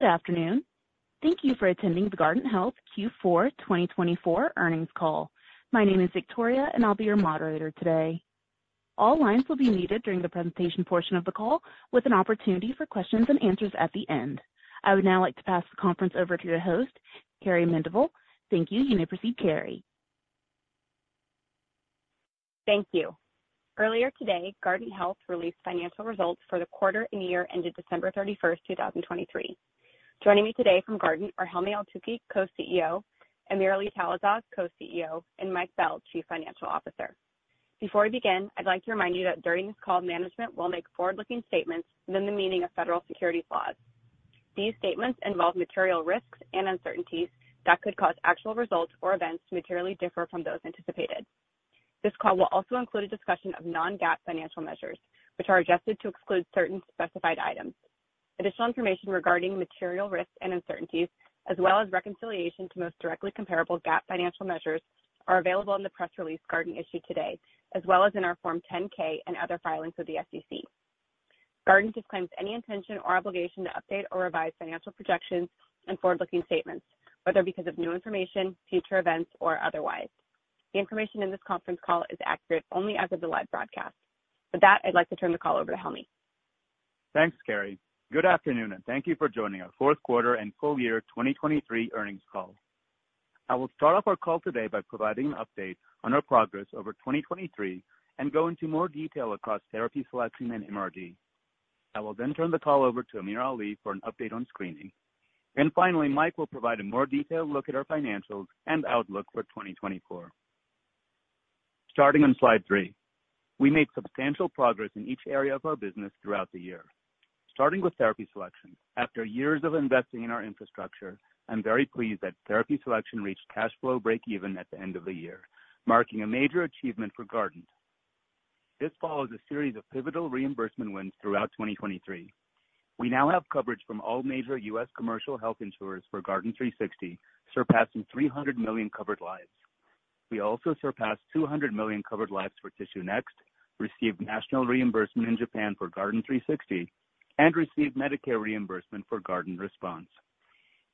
Good afternoon. Thank you for attending the Guardant Health Q4 2024 earnings call. My name is Victoria, and I'll be your moderator today. All lines will be muted during the presentation portion of the call, with an opportunity for questions and answers at the end. I would now like to pass the conference over to your host, Carrie Mendivil. Thank you. You may proceed, Carrie. Thank you. Earlier today, Guardant Health released financial results for the quarter and year ended December 31, 2023. Joining me today from Guardant are Helmy Eltoukhy, Co-CEO, AmirAli Talasaz, Co-CEO, and Mike Bell, Chief Financial Officer. Before we begin, I'd like to remind you that during this call, management will make forward-looking statements within the meaning of federal securities laws. These statements involve material risks and uncertainties that could cause actual results or events to materially differ from those anticipated. This call will also include a discussion of non-GAAP financial measures, which are adjusted to exclude certain specified items. Additional information regarding material risks and uncertainties, as well as reconciliation to most directly comparable GAAP financial measures, are available in the press release Guardant issued today, as well as in our Form 10-K and other filings with the SEC. Guardant disclaims any intention or obligation to update or revise financial projections and forward-looking statements, whether because of new information, future events, or otherwise. The information in this conference call is accurate only as of the live broadcast. With that, I'd like to turn the call over to Helmy. Thanks, Carrie. Good afternoon, and thank you for joining our fourth quarter and full year 2023 earnings call. I will start off our call today by providing an update on our progress over 2023 and go into more detail across therapy selection and MRD. I will then turn the call over to AmirAli Talasaz for an update on screening. And finally, Mike will provide a more detailed look at our financials and outlook for 2024. Starting on slide 3, we made substantial progress in each area of our business throughout the year. Starting with therapy selection, after years of investing in our infrastructure, I'm very pleased that therapy selection reached cash flow breakeven at the end of the year, marking a major achievement for Guardant. This follows a series of pivotal reimbursement wins throughout 2023. We now have coverage from all major US commercial health insurers for Guardant360, surpassing 300 million covered lives. We also surpassed 200 million covered lives for TissueNext, received national reimbursement in Japan for Guardant360, and received Medicare reimbursement for Guardant Response.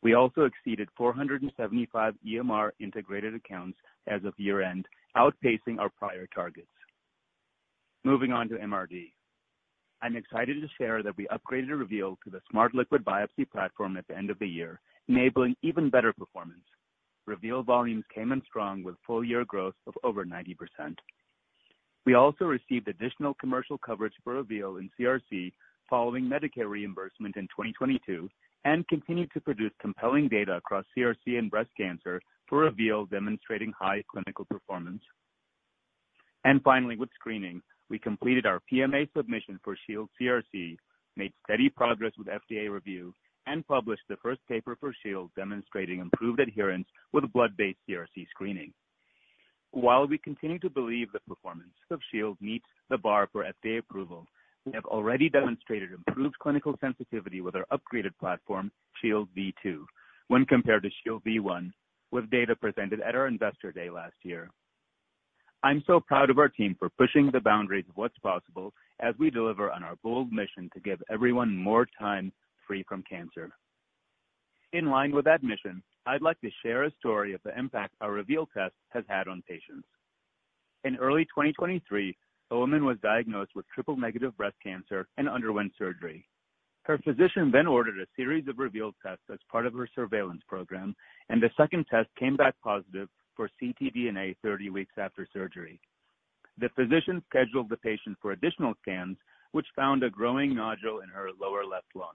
We also exceeded 475 EMR integrated accounts as of year-end, outpacing our prior targets. Moving on to MRD, I'm excited to share that we upgraded Reveal to the Smart Liquid Biopsy platform at the end of the year, enabling even better performance. Reveal volumes came in strong with full year growth of over 90%. We also received additional commercial coverage for Reveal in CRC following Medicare reimbursement in 2022, and continued to produce compelling data across CRC and breast cancer for Reveal, demonstrating high clinical performance. Finally, with screening, we completed our PMA submission for Shield CRC, made steady progress with FDA review, and published the first paper for Shield, demonstrating improved adherence with blood-based CRC screening. While we continue to believe the performance of Shield meets the bar for FDA approval, we have already demonstrated improved clinical sensitivity with our upgraded platform, Shield V2, when compared to Shield V1, with data presented at our Investor Day last year. I'm so proud of our team for pushing the boundaries of what's possible as we deliver on our bold mission to give everyone more time free from cancer. In line with that mission, I'd like to share a story of the impact our Reveal test has had on patients. In early 2023, a woman was diagnosed with triple-negative breast cancer and underwent surgery. Her physician then ordered a series of Reveal tests as part of her surveillance program, and the second test came back positive for ctDNA 30 weeks after surgery. The physician scheduled the patient for additional scans, which found a growing nodule in her lower left lung.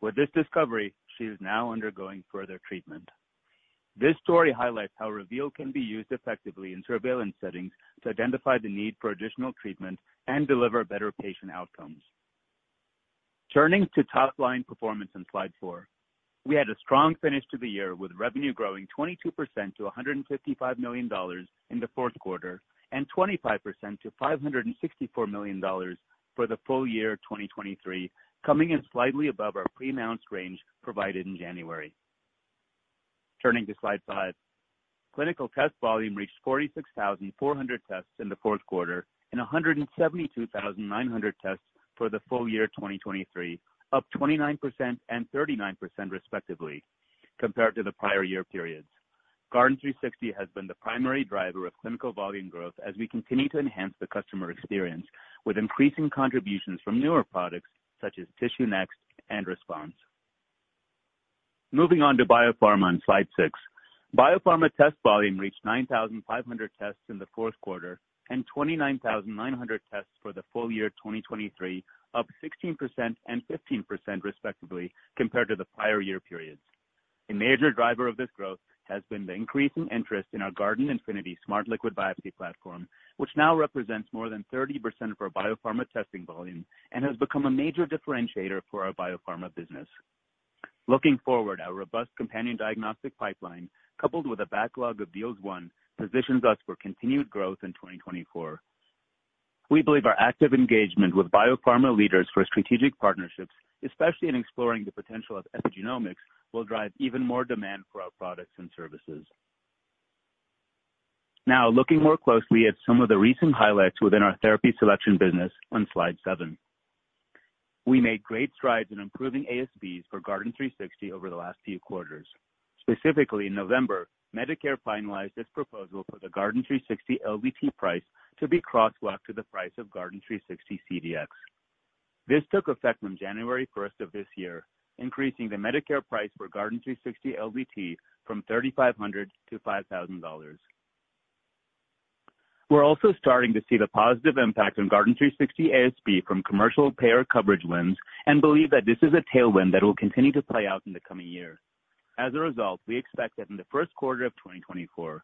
With this discovery, she is now undergoing further treatment. This story highlights how Reveal can be used effectively in surveillance settings to identify the need for additional treatment and deliver better patient outcomes. Turning to top-line performance on slide 4, we had a strong finish to the year, with revenue growing 22% to $155 million in the fourth quarter, and 25% to $564 million for the full year 2023, coming in slightly above our pre-announced range provided in January. Turning to slide 5, clinical test volume reached 46,400 tests in the fourth quarter and 172,900 tests for the full year 2023, up 29% and 39% respectively compared to the prior year periods. Guardant360 has been the primary driver of clinical volume growth as we continue to enhance the customer experience, with increasing contributions from newer products such as TissueNext and Response. Moving on to pharma on slide 6. Biopharma test volume reached 9,500 tests in the fourth quarter and 29,900 tests for the full year 2023, up 16% and 15%, respectively, compared to the prior year periods. A major driver of this growth has been the increasing interest in our Guardant Infinity Smart Liquid Biopsy platform, which now represents more than 30% of our biopharma testing volume and has become a major differentiator for our biopharma business. Looking forward, our robust companion diagnostic pipeline, coupled with a backlog of deals won, positions us for continued growth in 2024. We believe our active engagement with biopharma leaders for strategic partnerships, especially in exploring the potential of epigenomics, will drive even more demand for our products and services.... Now, looking more closely at some of the recent highlights within our therapy selection business on slide 7. We made great strides in improving ASPs for Guardant360 over the last few quarters. Specifically, in November, Medicare finalized its proposal for the Guardant360 LDT price to be crosswalked to the price of Guardant360 CDx. This took effect on January 1st of this year, increasing the Medicare price for Guardant360 LDT from $3,500 to $5,000. We're also starting to see the positive impact on Guardant360 ASP from commercial payer coverage wins, and believe that this is a tailwind that will continue to play out in the coming year. As a result, we expect that in the first quarter of 2024,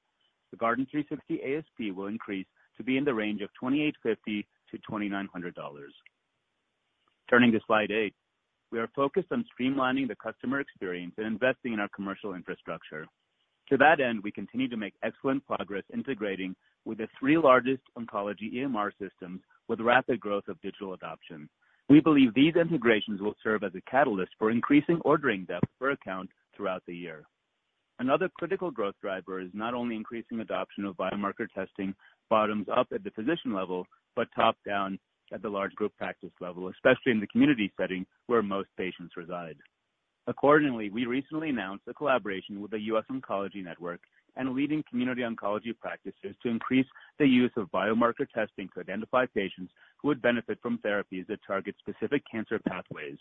the Guardant360 ASP will increase to be in the range of $2,850-$2,900. Turning to slide 8. We are focused on streamlining the customer experience and investing in our commercial infrastructure. To that end, we continue to make excellent progress, integrating with the three largest oncology EMR systems with rapid growth of digital adoption. We believe these integrations will serve as a catalyst for increasing ordering depth per account throughout the year. Another critical growth driver is not only increasing adoption of biomarker testing bottoms up at the physician level, but top down at the large group practice level, especially in the community setting, where most patients reside. Accordingly, we recently announced a collaboration with the U.S. Oncology Network and leading community oncology practices to increase the use of biomarker testing to identify patients who would benefit from therapies that target specific cancer pathways.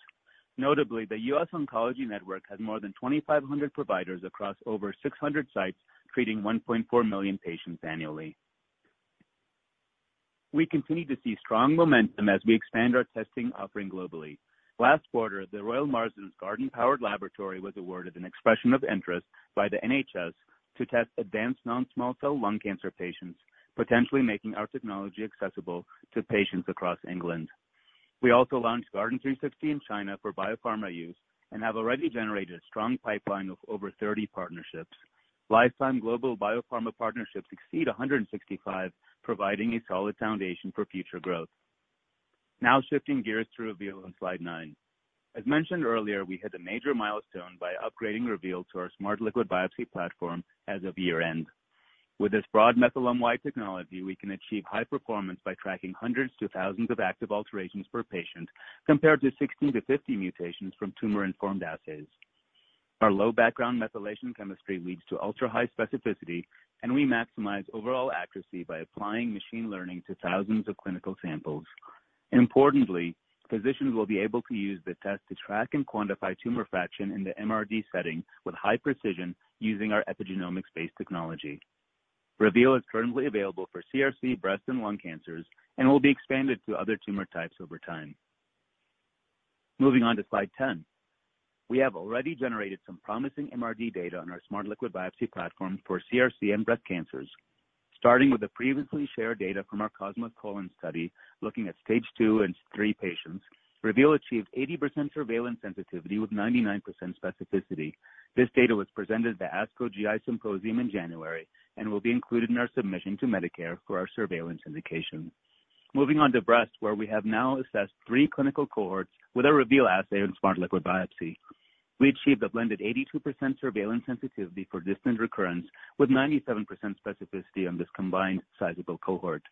Notably, the U.S. Oncology Network has more than 2,500 providers across over 600 sites, treating 1.4 million patients annually. We continue to see strong momentum as we expand our testing offering globally. Last quarter, the Royal Marsden's Guardant-powered laboratory was awarded an expression of interest by the NHS to test advanced non-small cell lung cancer patients, potentially making our technology accessible to patients across England. We also launched Guardant360 in China for biopharma use and have already generated a strong pipeline of over 30 partnerships. Lifetime global biopharma partnerships exceed 165, providing a solid foundation for future growth. Now shifting gears to Reveal on slide 9. As mentioned earlier, we hit a major milestone by upgrading Reveal to our Smart Liquid Biopsy platform as of Year-End. With this broad methylome-wide technology, we can achieve high performance by tracking hundreds to thousands of active alterations per patient, compared to 60 to 50 mutations from tumor-informed assays. Our low background methylation chemistry leads to ultra-high specificity, and we maximize overall accuracy by applying machine learning to thousands of clinical samples. Importantly, physicians will be able to use the test to track and quantify tumor fraction in the MRD setting with high precision using our epigenomics-based technology. Reveal is currently available for CRC, breast and lung cancers and will be expanded to other tumor types over time. Moving on to slide 10. We have already generated some promising MRD data on our Smart Liquid Biopsy platform for CRC and breast cancers. Starting with the previously shared data from our COSMOS colon study, looking at stage two and three patients, Reveal achieved 80% surveillance sensitivity with 99% specificity. This data was presented at the ASCO GI Symposium in January and will be included in our submission to Medicare for our surveillance indication. Moving on to breast, where we have now assessed 3 clinical cohorts with our Reveal assay and Smart Liquid Biopsy. We achieved a blended 82% surveillance sensitivity for distant recurrence, with 97% specificity on this combined sizable cohort.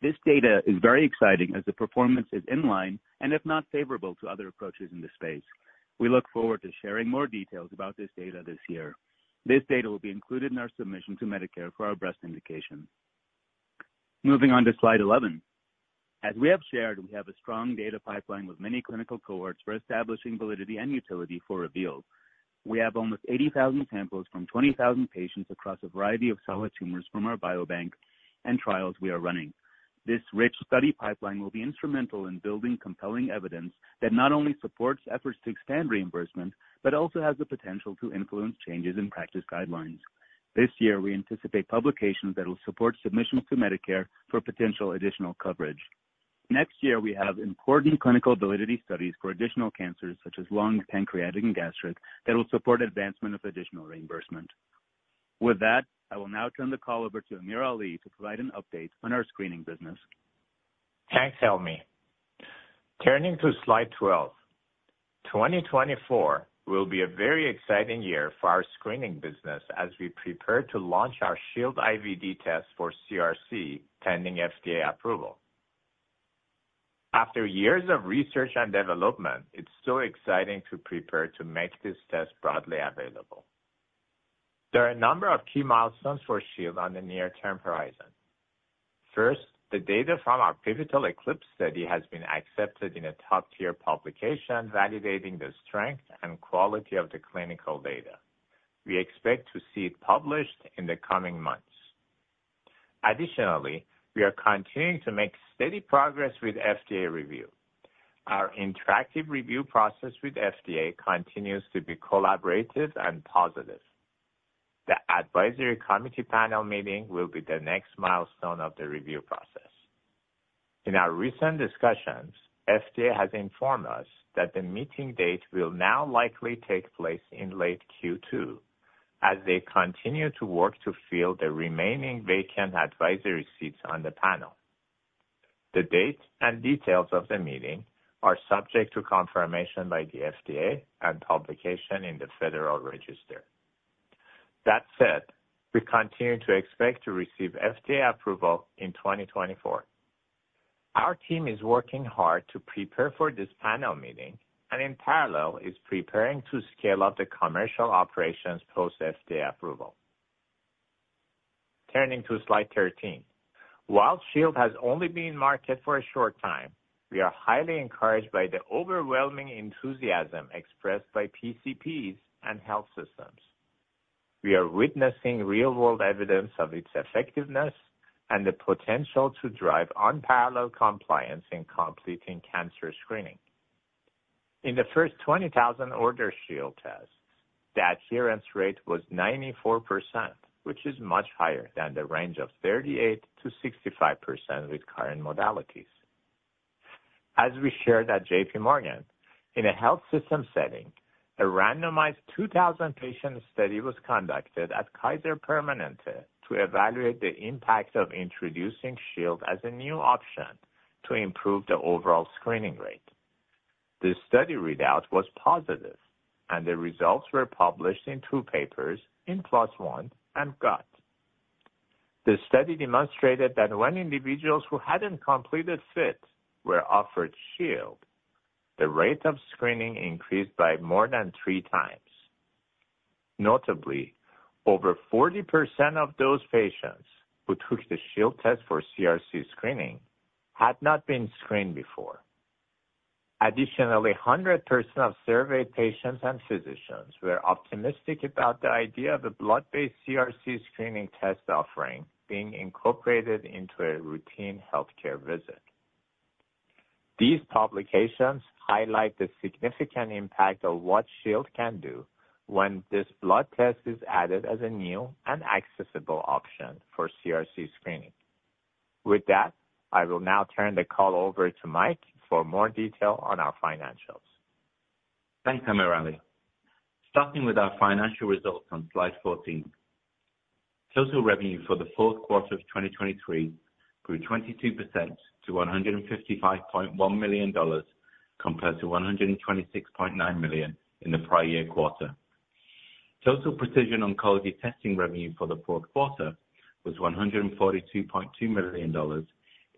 This data is very exciting as the performance is in line and if not favorable to other approaches in the space. We look forward to sharing more details about this data this year. This data will be included in our submission to Medicare for our breast indication. Moving on to slide 11. As we have shared, we have a strong data pipeline with many clinical cohorts for establishing validity and utility for Reveal. We have almost 80,000 samples from 20,000 patients across a variety of solid tumors from our biobank and trials we are running. This rich study pipeline will be instrumental in building compelling evidence that not only supports efforts to expand reimbursement, but also has the potential to influence changes in practice guidelines. This year, we anticipate publications that will support submissions to Medicare for potential additional coverage. Next year, we have important clinical validity studies for additional cancers such as lung, pancreatic, and gastric, that will support advancement of additional reimbursement. With that, I will now turn the call over to AmirAli Talasaz to provide an update on our screening business. Thanks, Helmy. Turning to slide 12. 2024 will be a very exciting year for our screening business as we prepare to launch our Shield IVD test for CRC, pending FDA approval. After years of research and development, it's so exciting to prepare to make this test broadly available. There are a number of key milestones for Shield on the near-term horizon. First, the data from our pivotal ECLIPSE study has been accepted in a top-tier publication, validating the strength and quality of the clinical data. We expect to see it published in the coming months. Additionally, we are continuing to make steady progress with FDA review. Our interactive review process with FDA continues to be collaborative and positive. The advisory committee panel meeting will be the next milestone of the review process. In our recent discussions, FDA has informed us that the meeting date will now likely take place in late Q2 as they continue to work to fill the remaining vacant advisory seats on the panel. The date and details of the meeting are subject to confirmation by the FDA and publication in the Federal Register. That said, we continue to expect to receive FDA approval in 2024. Our team is working hard to prepare for this panel meeting, and in parallel, is preparing to scale up the commercial operations post FDA approval. Turning to slide 13. While Shield has only been in market for a short time, we are highly encouraged by the overwhelming enthusiasm expressed by PCPs and health systems. We are witnessing real-world evidence of its effectiveness and the potential to drive unparalleled compliance in completing cancer screening. In the first 20,000 ordered Shield tests, the adherence rate was 94%, which is much higher than the range of 38%-65% with current modalities. As we shared at J.P. Morgan, in a health system setting, a randomized 2,000-patient study was conducted at Kaiser Permanente to evaluate the impact of introducing Shield as a new option to improve the overall screening rate. The study readout was positive, and the results were published in two papers in PLOS ONE and Gut. The study demonstrated that when individuals who hadn't completed FIT were offered Shield, the rate of screening increased by more than three times. Notably, over 40% of those patients who took the Shield test for CRC screening had not been screened before. Additionally, 100% of surveyed patients and physicians were optimistic about the idea of a blood-based CRC screening test offering being incorporated into a routine healthcare visit. These publications highlight the significant impact of what Shield can do when this blood test is added as a new and accessible option for CRC screening. With that, I will now turn the call over to Mike for more detail on our financials. Thanks, AmirAli Talasaz. Starting with our financial results on slide 14. Total revenue for the fourth quarter of 2023 grew 22% to $155.1 million, compared to $126.9 million in the prior year quarter. Total Precision Oncology testing revenue for the fourth quarter was $142.2 million,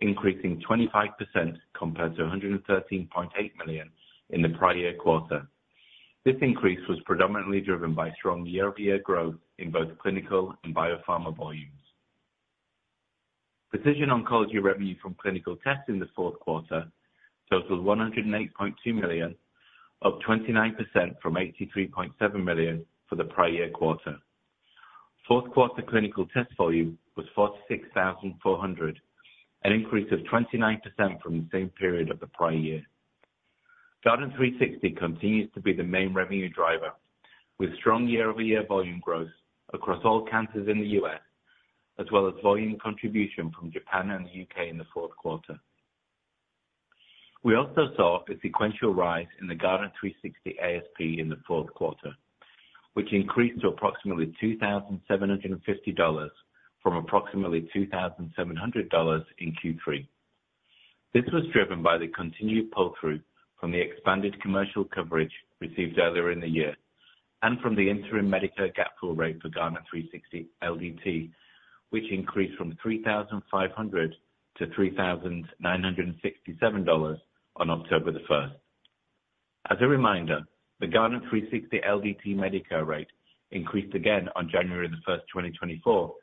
increasing 25% compared to $113.8 million in the prior year quarter. This increase was predominantly driven by strong year-over-year growth in both clinical and biopharma volumes. Precision Oncology revenue from clinical tests in the fourth quarter totaled $108.2 million, up 29% from $83.7 million for the prior year quarter. Fourth quarter clinical test volume was 46,400, an increase of 29% from the same period of the prior year. Guardant360 continues to be the main revenue driver, with strong year-over-year volume growth across all cancers in the U.S., as well as volume contribution from Japan and the U.K. in the fourth quarter. We also saw a sequential rise in the Guardant360 ASP in the fourth quarter, which increased to approximately $2,750 from approximately $2,700 in Q3. This was driven by the continued pull-through from the expanded commercial coverage received earlier in the year, and from the interim Medicare gap fill rate for Guardant360 LDT, which increased from $3,500 to $3,967 on October 1. As a reminder, the Guardant360 LDT Medicare rate increased again on January 1, 2024,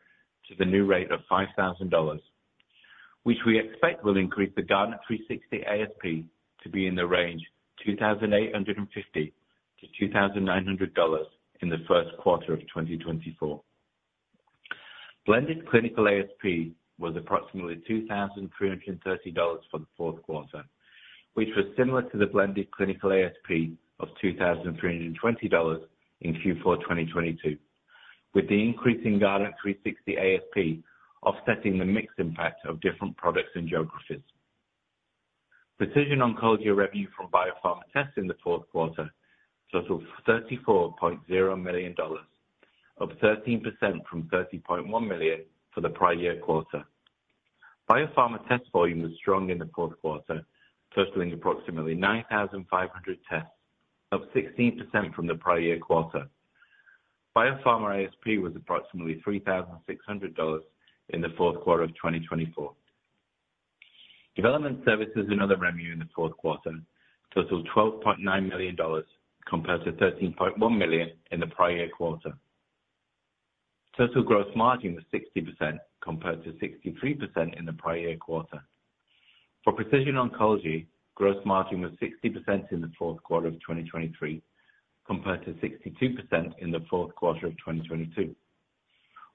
to the new rate of $5,000, which we expect will increase the Guardant360 ASP to be in the range $2,850-$2,900 in the first quarter of 2024. Blended clinical ASP was approximately $2,330 for the fourth quarter, which was similar to the blended clinical ASP of $2,320 in Q4 2022, with the increase in Guardant360 ASP offsetting the mixed impact of different products and geographies. Precision Oncology revenue from biopharma tests in the fourth quarter totaled $34.0 million, up 13% from $30.1 million for the prior year quarter. Biopharma test volume was strong in the fourth quarter, totaling approximately 9,500 tests, up 16% from the prior year quarter. Biopharma ASP was approximately $3,600 in the fourth quarter of 2024. Development services and other revenue in the fourth quarter totaled $12.9 million, compared to $13.1 million in the prior year quarter. Total gross margin was 60%, compared to 63% in the prior year quarter. For Precision Oncology, gross margin was 60% in the fourth quarter of 2023, compared to 62% in the fourth quarter of 2022.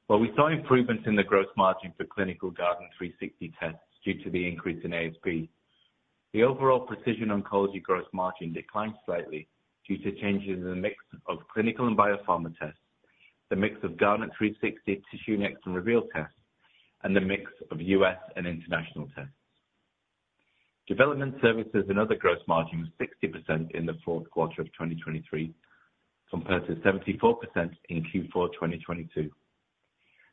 While we saw improvements in the gross margin for clinical Guardant360 tests due to the increase in ASP, the overall Precision Oncology gross margin declined slightly due to changes in the mix of clinical and biopharma tests, the mix of Guardant360 TissueNext and Reveal tests, and the mix of U.S. and international tests. Development services and other gross margin was 60% in the fourth quarter of 2023, compared to 74% in Q4 2022.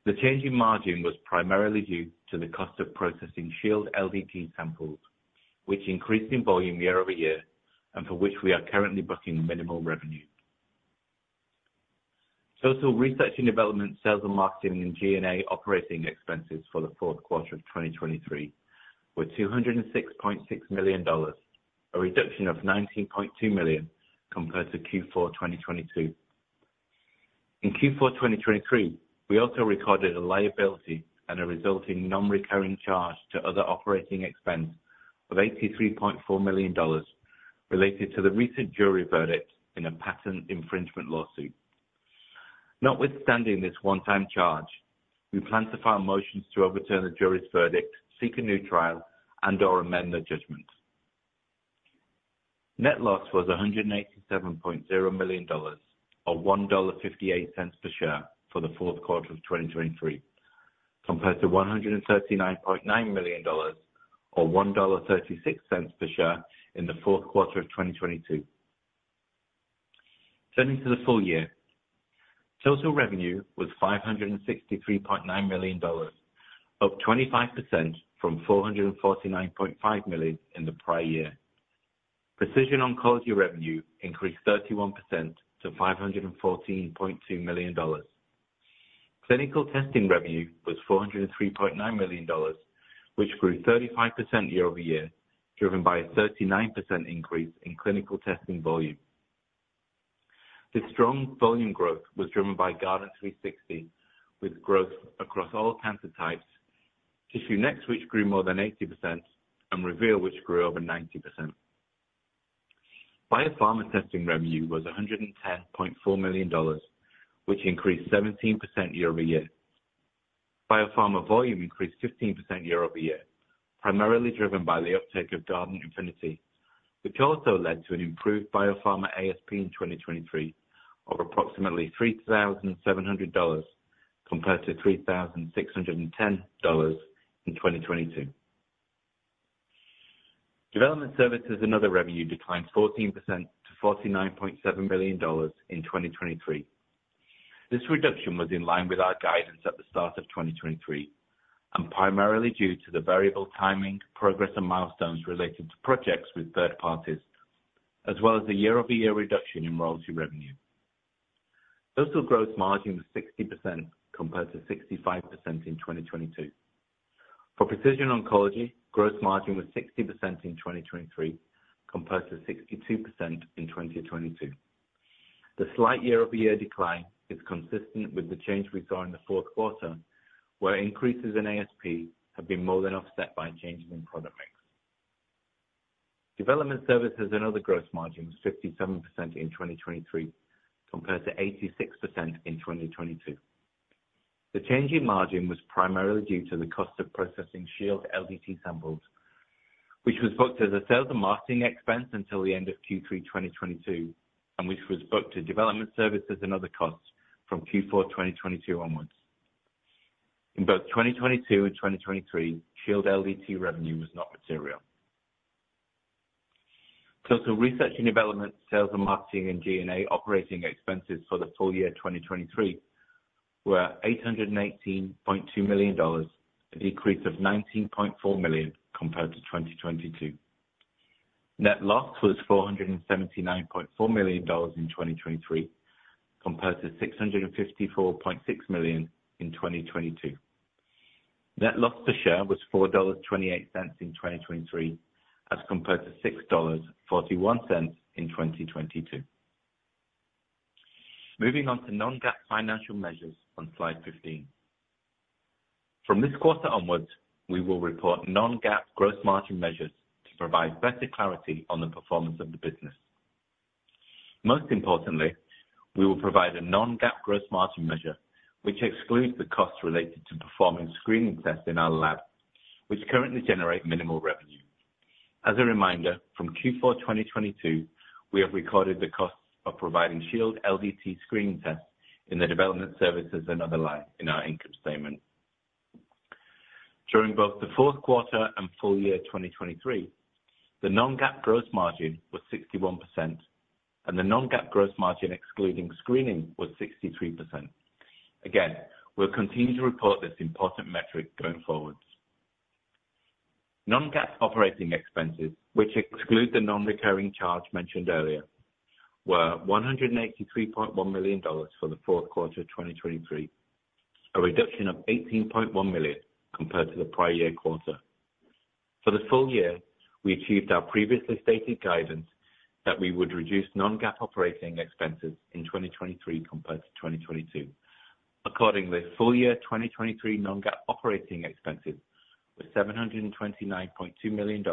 The change in margin was primarily due to the cost of processing Shield LDT samples, which increased in volume year-over-year, and for which we are currently booking minimal revenue. Total research and development, sales and marketing, and G&A operating expenses for the fourth quarter of 2023 were $206.6 million, a reduction of $19.2 million compared to Q4 2022. In Q4 2023, we also recorded a liability and a resulting non-recurring charge to other operating expense of $83.4 million, related to the recent jury verdict in a patent infringement lawsuit. Notwithstanding this one-time charge, we plan to file motions to overturn the jury's verdict, seek a new trial, and/or amend the judgment. Net loss was $187.0 million, or $1.58 per share for the fourth quarter of 2023, compared to $139.9 million or $1.36 per share in the fourth quarter of 2022. Turning to the full year, total revenue was $563.9 million, up 25% from $449.5 million in the prior year. Precision Oncology revenue increased 31% to $514.2 million. Clinical testing revenue was $403.9 million, which grew 35% year-over-year, driven by a 39% increase in clinical testing volume. This strong volume growth was driven by Guardant360, with growth across all cancer types, TissueNext, which grew more than 80%, and Reveal, which grew over 90%. Biopharma testing revenue was $110.4 million, which increased 17% year-over-year. Biopharma volume increased 15% year-over-year, primarily driven by the uptake of Guardant Infinity, which also led to an improved biopharma ASP in 2023 of approximately $3,700 compared to $3,610 in 2022. Development services and other revenue declined 14% to $49.7 million in 2023. This reduction was in line with our guidance at the start of 2023, and primarily due to the variable timing, progress, and milestones related to projects with third parties, as well as the year-over-year reduction in royalty revenue. Total gross margin was 60%, compared to 65% in 2022. For Precision Oncology, gross margin was 60% in 2023, compared to 62% in 2022. The slight year-over-year decline is consistent with the change we saw in the fourth quarter, where increases in ASP have been more than offset by changes in product mix. Development services and other gross margin was 57% in 2023, compared to 86% in 2022. The change in margin was primarily due to the cost of processing Shield LDT samples, which was booked as a sales and marketing expense until the end of Q3 2022, and which was booked to development services and other costs from Q4 2022 onwards. In both 2022 and 2023, Shield LDT revenue was not material. Total research and development, sales and marketing, and G&A operating expenses for the full year 2023 were $818.2 million, a decrease of $19.4 million compared to 2022. Net loss was $479.4 million in 2023, compared to $654.6 million in 2022. Net loss per share was $4.28 in 2023, as compared to $6.41 in 2022. Moving on to non-GAAP financial measures on slide 15. From this quarter onwards, we will report non-GAAP gross margin measures to provide better clarity on the performance of the business. Most importantly, we will provide a non-GAAP gross margin measure, which excludes the costs related to performing screening tests in our lab, which currently generate minimal revenue. As a reminder, from Q4 2022, we have recorded the costs of providing Shield LDT screening tests in the development services and other line in our income statement. During both the fourth quarter and full year 2023, the non-GAAP gross margin was 61%, and the non-GAAP gross margin, excluding screening, was 63%. Again, we'll continue to report this important metric going forward. Non-GAAP operating expenses, which exclude the non-recurring charge mentioned earlier, were $183.1 million for the fourth quarter of 2023, a reduction of $18.1 million compared to the prior year quarter. For the full year, we achieved our previously stated guidance that we would reduce non-GAAP operating expenses in 2023 compared to 2022. Accordingly, full year 2023 non-GAAP operating expenses were $729.2 million,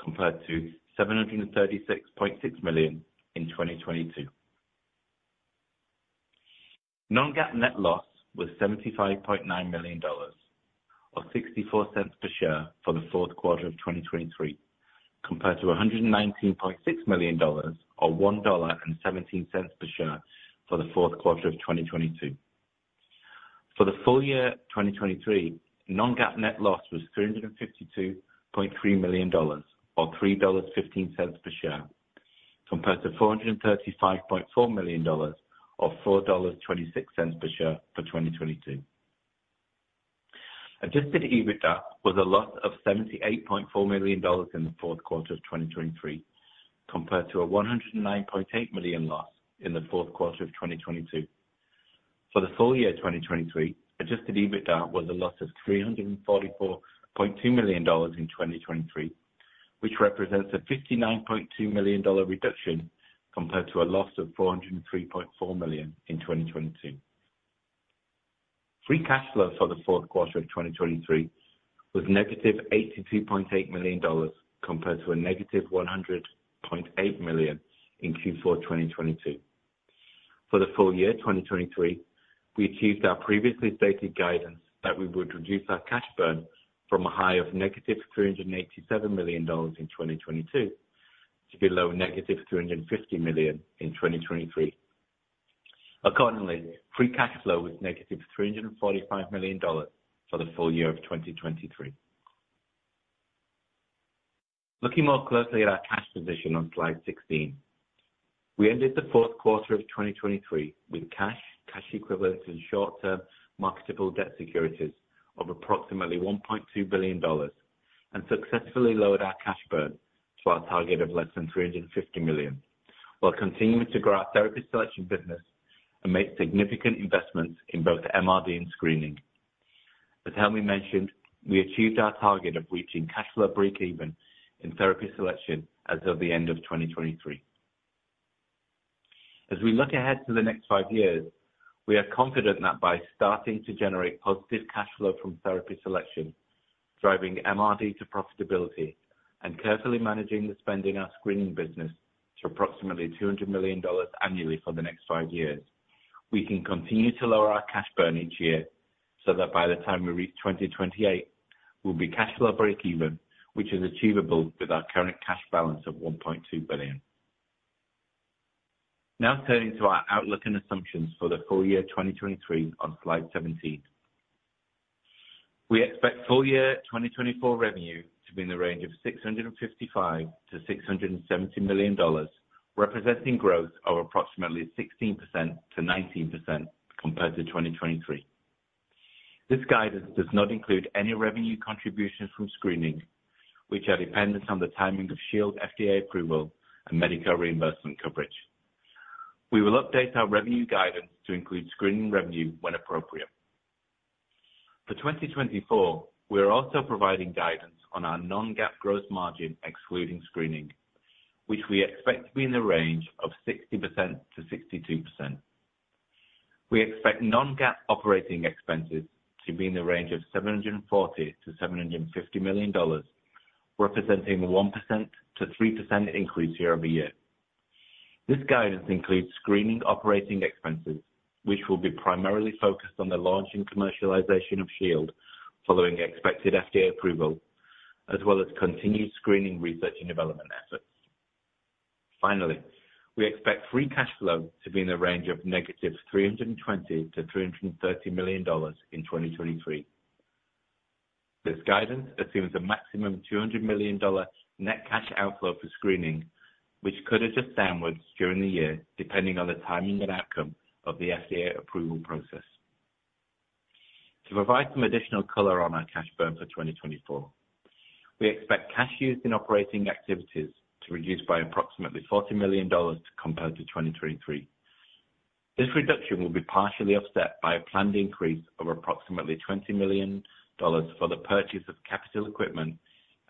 compared to $736.6 million in 2022. Non-GAAP net loss was $75.9 million, or $0.64 per share for the fourth quarter of 2023, compared to $119.6 million or $1.17 per share for the fourth quarter of 2022. For the full year 2023, non-GAAP net loss was $352.3 million, or $3.15 per share, compared to $435.4 million, or $4.26 per share for 2022. Adjusted EBITDA was a loss of $78.4 million in the fourth quarter of 2023, compared to a $109.8 million loss in the fourth quarter of 2022. For the full year 2023, adjusted EBITDA was a loss of $344.2 million in 2023, which represents a $59.2 million reduction compared to a loss of $403.4 million in 2022. Free cash flow for the fourth quarter of 2023 was -$82.8 million, compared to -$100.8 million in Q4 2022. For the full year 2023, we achieved our previously stated guidance that we would reduce our cash burn from a high of -$387 million in 2022 to below -$350 million in 2023. Accordingly, free cash flow was -$345 million for the full year of 2023. Looking more closely at our cash position on slide 16. We ended the fourth quarter of 2023 with cash, cash equivalents, and short-term marketable debt securities of approximately $1.2 billion, and successfully lowered our cash burn to our target of less than $350 million, while continuing to grow our therapy selection business and make significant investments in both MRD and screening. As Helmy mentioned, we achieved our target of reaching cash flow breakeven in therapy selection as of the end of 2023. As we look ahead to the next five years, we are confident that by starting to generate positive cash flow from therapy selection, driving MRD to profitability, and carefully managing the spending our screening business to approximately $200 million annually for the next five years, we can continue to lower our cash burn each year, so that by the time we reach 2028, we'll be cash flow breakeven, which is achievable with our current cash balance of $1.2 billion. Now turning to our outlook and assumptions for the full year 2023 on slide 17. We expect full year 2024 revenue to be in the range of $655 million-$670 million, representing growth of approximately 16%-19% compared to 2023. This guidance does not include any revenue contributions from screening, which are dependent on the timing of Shield FDA approval and Medicare reimbursement coverage. We will update our revenue guidance to include screening revenue when appropriate. For 2024, we are also providing guidance on our non-GAAP gross margin, excluding screening, which we expect to be in the range of 60%-62%. We expect non-GAAP operating expenses to be in the range of $740 million-$750 million, representing 1%-3% increase year-over-year. This guidance includes screening operating expenses, which will be primarily focused on the launch and commercialization of Shield, following expected FDA approval, as well as continued screening research and development efforts. Finally, we expect free cash flow to be in the range of -$320 million to -$330 million in 2023. This guidance assumes a maximum $200 million dollar net cash outflow for screening, which could adjust downward during the year, depending on the timing and outcome of the FDA approval process. To provide some additional color on our cash burn for 2024, we expect cash used in operating activities to reduce by approximately $40 million compared to 2023. This reduction will be partially offset by a planned increase of approximately $20 million for the purchase of capital equipment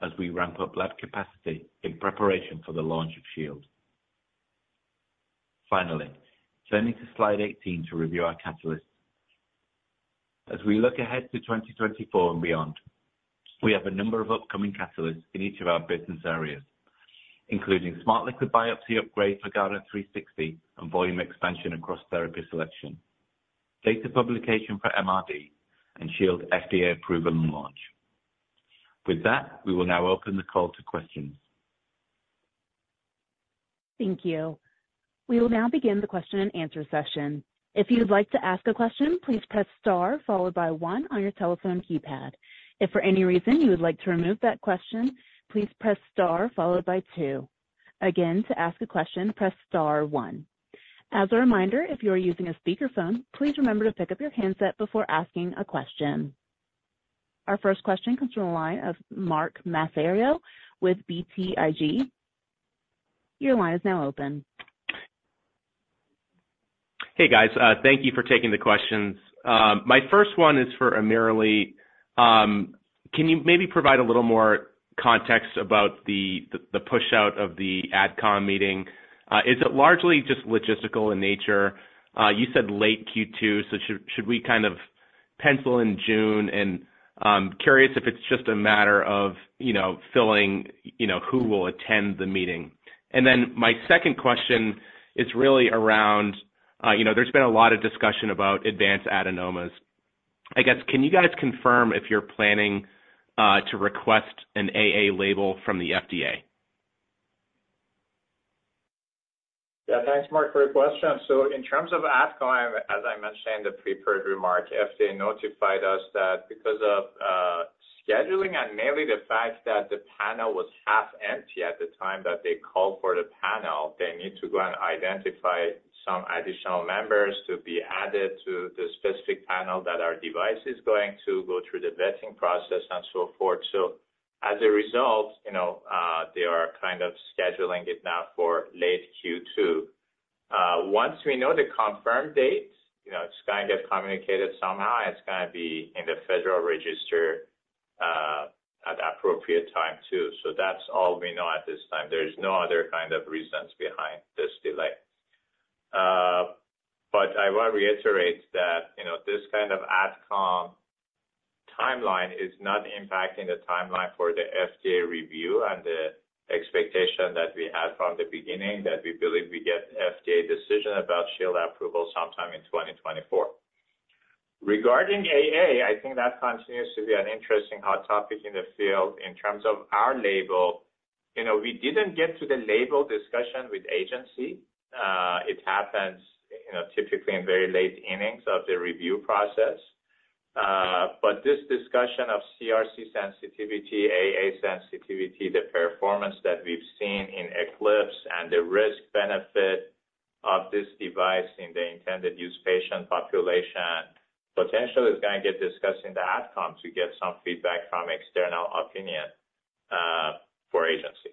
as we ramp up lab capacity in preparation for the launch of Shield. Finally, turning to slide 18 to review our catalysts. As we look ahead to 2024 and beyond, we have a number of upcoming catalysts in each of our business areas, including Smart Liquid Biopsy upgrade for Guardant360 and volume expansion across therapy selection, data publication for MRD, and Shield FDA approval and launch. With that, we will now open the call to questions. Thank you. We will now begin the question and answer session. If you'd like to ask a question, please press star followed by one on your telephone keypad. If for any reason you would like to remove that question, please press star followed by two. Again, to ask a question, press star one. As a reminder, if you are using a speakerphone, please remember to pick up your handset before asking a question. Our first question comes from the line of Mark Massaro with BTIG. Your line is now open. Hey, guys, thank you for taking the questions. My first one is for AmirAli. Can you maybe provide a little more context about the pushout of the AdCom meeting? Is it largely just logistical in nature? You said late Q2, so should we kind of pencil in June? And, I'm curious if it's just a matter of, you know, filling, you know, who will attend the meeting. And then my second question is really around, you know, there's been a lot of discussion about advanced adenomas. I guess, can you guys confirm if you're planning to request an AA label from the FDA?... Yeah, thanks, Mark, for your question. So in terms of AdCom, as I mentioned in the prepared remark, FDA notified us that because of scheduling and mainly the fact that the panel was half empty at the time that they called for the panel, they need to go and identify some additional members to be added to the specific panel that our device is going to go through the vetting process and so forth. So as a result, you know, they are kind of scheduling it now for late Q2. Once we know the confirmed date, you know, it's gonna get communicated somehow, it's gonna be in the Federal Register at the appropriate time, too. So that's all we know at this time. There is no other kind of reasons behind this delay. But I want to reiterate that, you know, this kind of AdCom timeline is not impacting the timeline for the FDA review and the expectation that we had from the beginning, that we believe we get FDA decision about Shield approval sometime in 2024. Regarding AA, I think that continues to be an interesting hot topic in the field. In terms of our label, you know, we didn't get to the label discussion with agency. It happens, you know, typically in very late innings of the review process. But this discussion of CRC sensitivity, AA sensitivity, the performance that we've seen in ECLIPSE and the risk-benefit of this device in the intended use patient population, potentially is gonna get discussed in the AdCom to get some feedback from external opinion, for agency.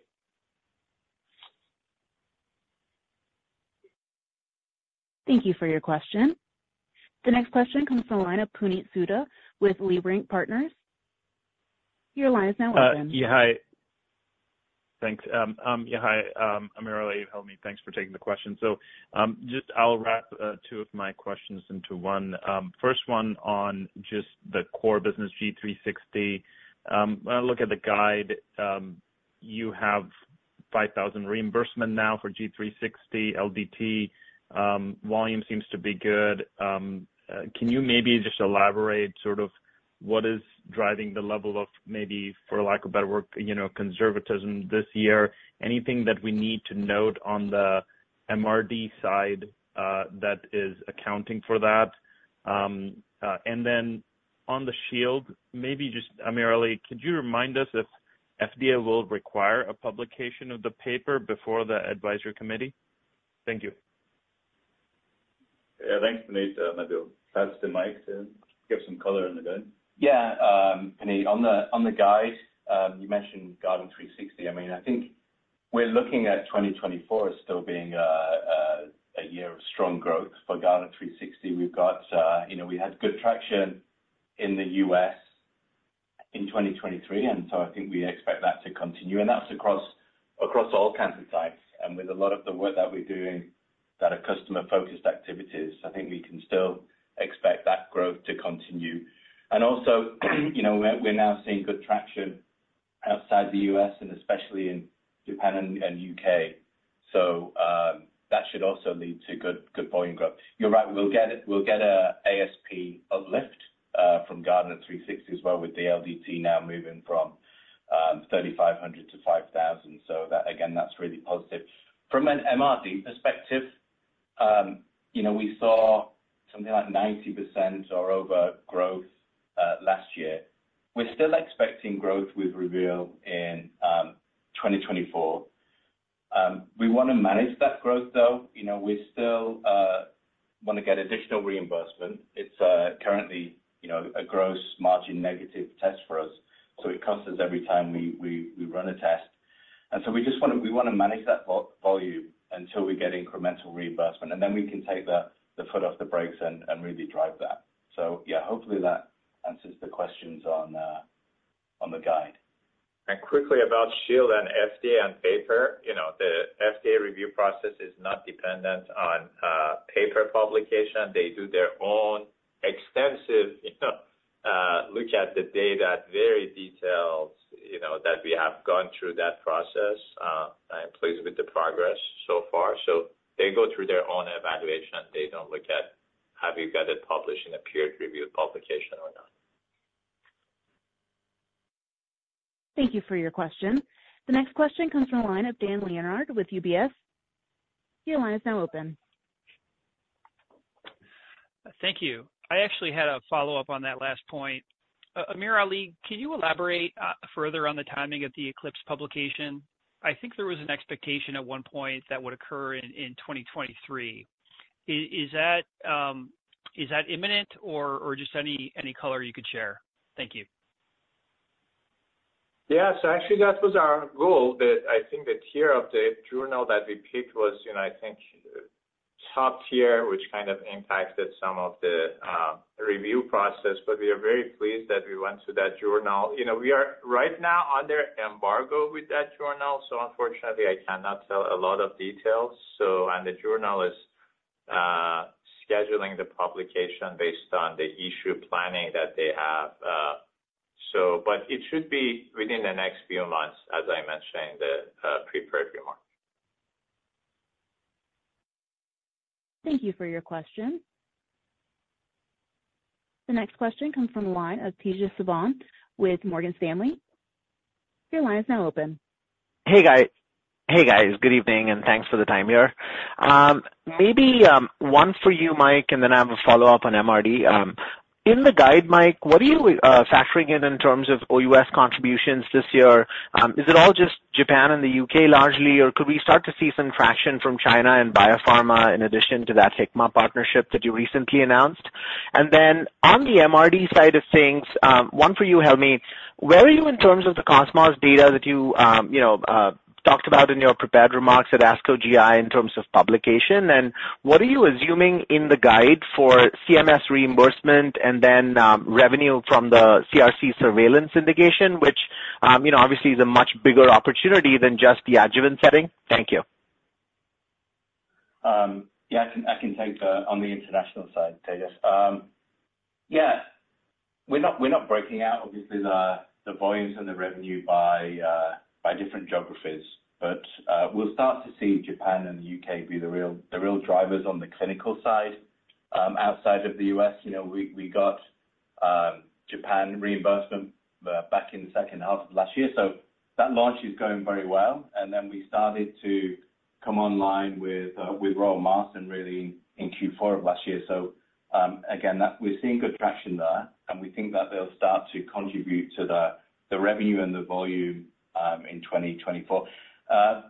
Thank you for your question. The next question comes from the line of Puneet Souda with Leerink Partners. Your line is now open. Yeah, hi. Thanks. Yeah, hi, AmirAli and Helmy. Thanks for taking the question. So, just I'll wrap two of my questions into one. First one on just the core business, Guardant360. When I look at the guide, you have 5,000 reimbursement now for Guardant360 LDT. Volume seems to be good. Can you maybe just elaborate sort of what is driving the level of maybe, for lack of better word, you know, conservatism this year? Anything that we need to note on the MRD side, that is accounting for that? And then on the Shield, maybe just, AmirAli, could you remind us if FDA will require a publication of the paper before the advisory committee? Thank you. Yeah. Thanks, Puneet. Maybe pass the mic to give some color on the guide. Yeah, Puneet, on the guide, you mentioned Guardant360. I mean, I think we're looking at 2024 still being a year of strong growth for Guardant360. We've got, you know, we had good traction in the U.S. in 2023, and so I think we expect that to continue, and that's across all cancer types. And with a lot of the work that we're doing that are customer-focused activities, I think we can still expect that growth to continue. And also, you know, we're now seeing good traction outside the U.S. and especially in Japan and U.K. So, that should also lead to good volume growth. You're right, we'll get a ASP uplift from Guardant360 as well, with the LDT now moving from $3,500 to $5,000. So that, again, that's really positive. From an MRD perspective, you know, we saw something like 90% or over growth last year. We're still expecting growth with Reveal in 2024. We wanna manage that growth, though. You know, we still wanna get additional reimbursement. It's currently, you know, a gross margin negative test for us, so it costs us every time we run a test. And so we just wanna manage that volume until we get incremental reimbursement, and then we can take the foot off the brakes and really drive that. So yeah, hopefully, that answers the questions on the guide. Quickly, about Shield and FDA and paper. You know, the FDA review process is not dependent on paper publication. They do their own extensive, you know, look at the data, very detailed, you know, that we have gone through that process, and I'm pleased with the progress so far. So they go through their own evaluation, and they don't look at have you got it published in a peer-reviewed publication or not. Thank you for your question. The next question comes from the line of Dan Leonard with UBS. Your line is now open. Thank you. I actually had a follow-up on that last point. AmirAli, can you elaborate further on the timing of the ECLIPSE publication? I think there was an expectation at one point that would occur in 2023. Is that imminent or just any color you could share? Thank you. Yeah, so actually that was our goal, but I think the tier of the journal that we picked was, you know, I think, top tier, which kind of impacted some of the review process, but we are very pleased that we went to that journal. You know, we are right now under embargo with that journal, so unfortunately, I cannot tell a lot of details. And the journal is scheduling the publication based on the issue planning that they have. So, but it should be within the next few months, as I mentioned in the prepared remarks. Thank you for your question. The next question comes from the line of Tejas Savant with Morgan Stanley. Your line is now open. Hey, guys. Good evening, and thanks for the time here. Maybe one for you, Mike, and then I have a follow-up on MRD. In the guide, Mike, what are you factoring in, in terms of OUS contributions this year? Is it all just Japan and the U.K. largely, or could we start to see some traction from China and biopharma in addition to that Hikma partnership that you recently announced? And then on the MRD side of things, one for you, Helmy. Where are you in terms of the COSMOS data that you, you know, talked about in your prepared remarks at ASCO GI in terms of publication? What are you assuming in the guide for CMS reimbursement and then revenue from the CRC surveillance indication, which, you know, obviously is a much bigger opportunity than just the adjuvant setting? Thank you. Yeah, I can take on the international side, Tejas. Yeah, we're not breaking out, obviously, the volumes and the revenue by different geographies, but we'll start to see Japan and the U.K. be the real drivers on the clinical side. Outside of the U.S., you know, we got Japan reimbursement back in the second half of last year, so that launch is going very well. And then we started to come online with Royal Marsden, really, in Q4 of last year. So, again, that we're seeing good traction there, and we think that they'll start to contribute to the revenue and the volume in 2024.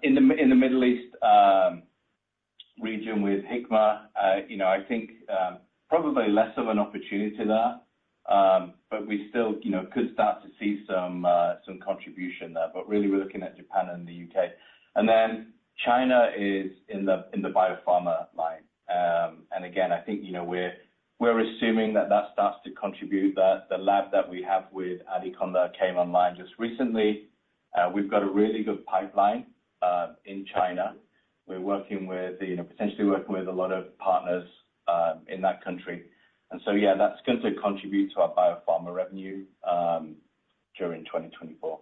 In the Middle East region with Hikma, you know, I think probably less of an opportunity there, but we still, you know, could start to see some contribution there. But really, we're looking at Japan and the U.K. And then China is in the biopharma line. And again, I think, you know, we're assuming that that starts to contribute. The lab that we have with Adicon came online just recently. We've got a really good pipeline in China. We're working with, you know, potentially working with a lot of partners in that country. And so, yeah, that's going to contribute to our biopharma revenue during 2024.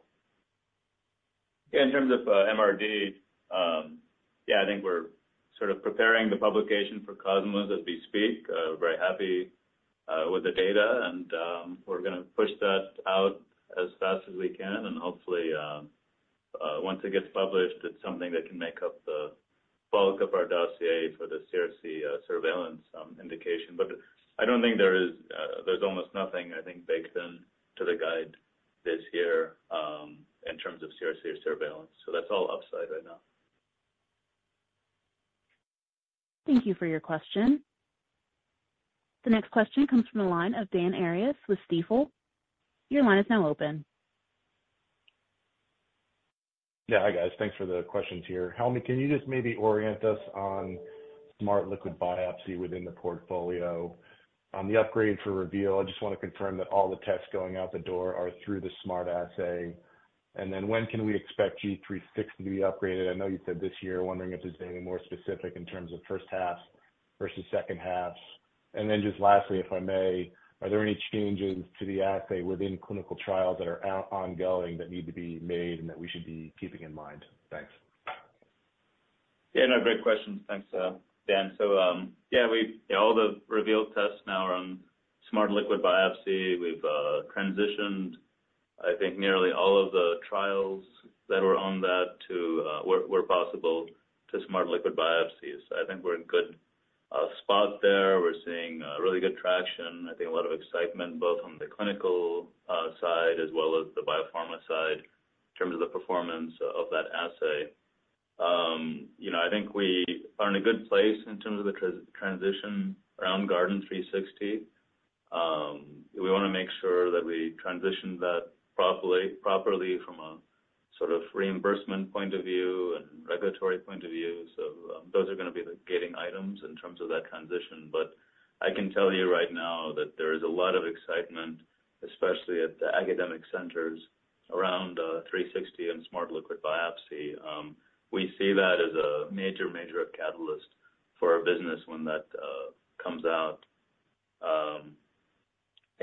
Yeah, in terms of MRD, yeah, I think we're sort of preparing the publication for COSMOS as we speak. Very happy with the data, and we're gonna push that out as fast as we can. And hopefully, once it gets published, it's something that can make up the bulk of our dossier for the CRC surveillance indication. But I don't think there is—there's almost nothing, I think, baked in to the guide this year in terms of CRC surveillance, so that's all upside right now. Thank you for your question. The next question comes from the line of Dan Arias with Stifel. Your line is now open. Yeah. Hi, guys. Thanks for the questions here. Helmy, can you just maybe orient us on Smart Liquid Biopsy within the portfolio? On the upgrade for Reveal, I just want to confirm that all the tests going out the door are through the smart assay. And then, when can we expect G360 to be upgraded? I know you said this year, wondering if there's anything more specific in terms of first half versus second half. And then, just lastly, if I may, are there any changes to the assay within clinical trials that are ongoing, that need to be made and that we should be keeping in mind? Thanks. Yeah, no, great questions. Thanks, Dan. So, yeah, we all the Reveal tests now are on Smart Liquid Biopsy. We've transitioned, I think, nearly all of the trials that were on that to, where possible, to Smart Liquid Biopsies. I think we're in a good spot there. We're seeing really good traction. I think a lot of excitement, both on the clinical side as well as the biopharma side in terms of the performance of that assay. You know, I think we are in a good place in terms of the transition around Guardant360. We wanna make sure that we transition that properly from a reimbursement point of view and regulatory point of view. So, those are gonna be the gating items in terms of that transition. But I can tell you right now that there is a lot of excitement, especially at the academic centers, around 360 and Smart Liquid Biopsy. We see that as a major, major catalyst for our business when that comes out.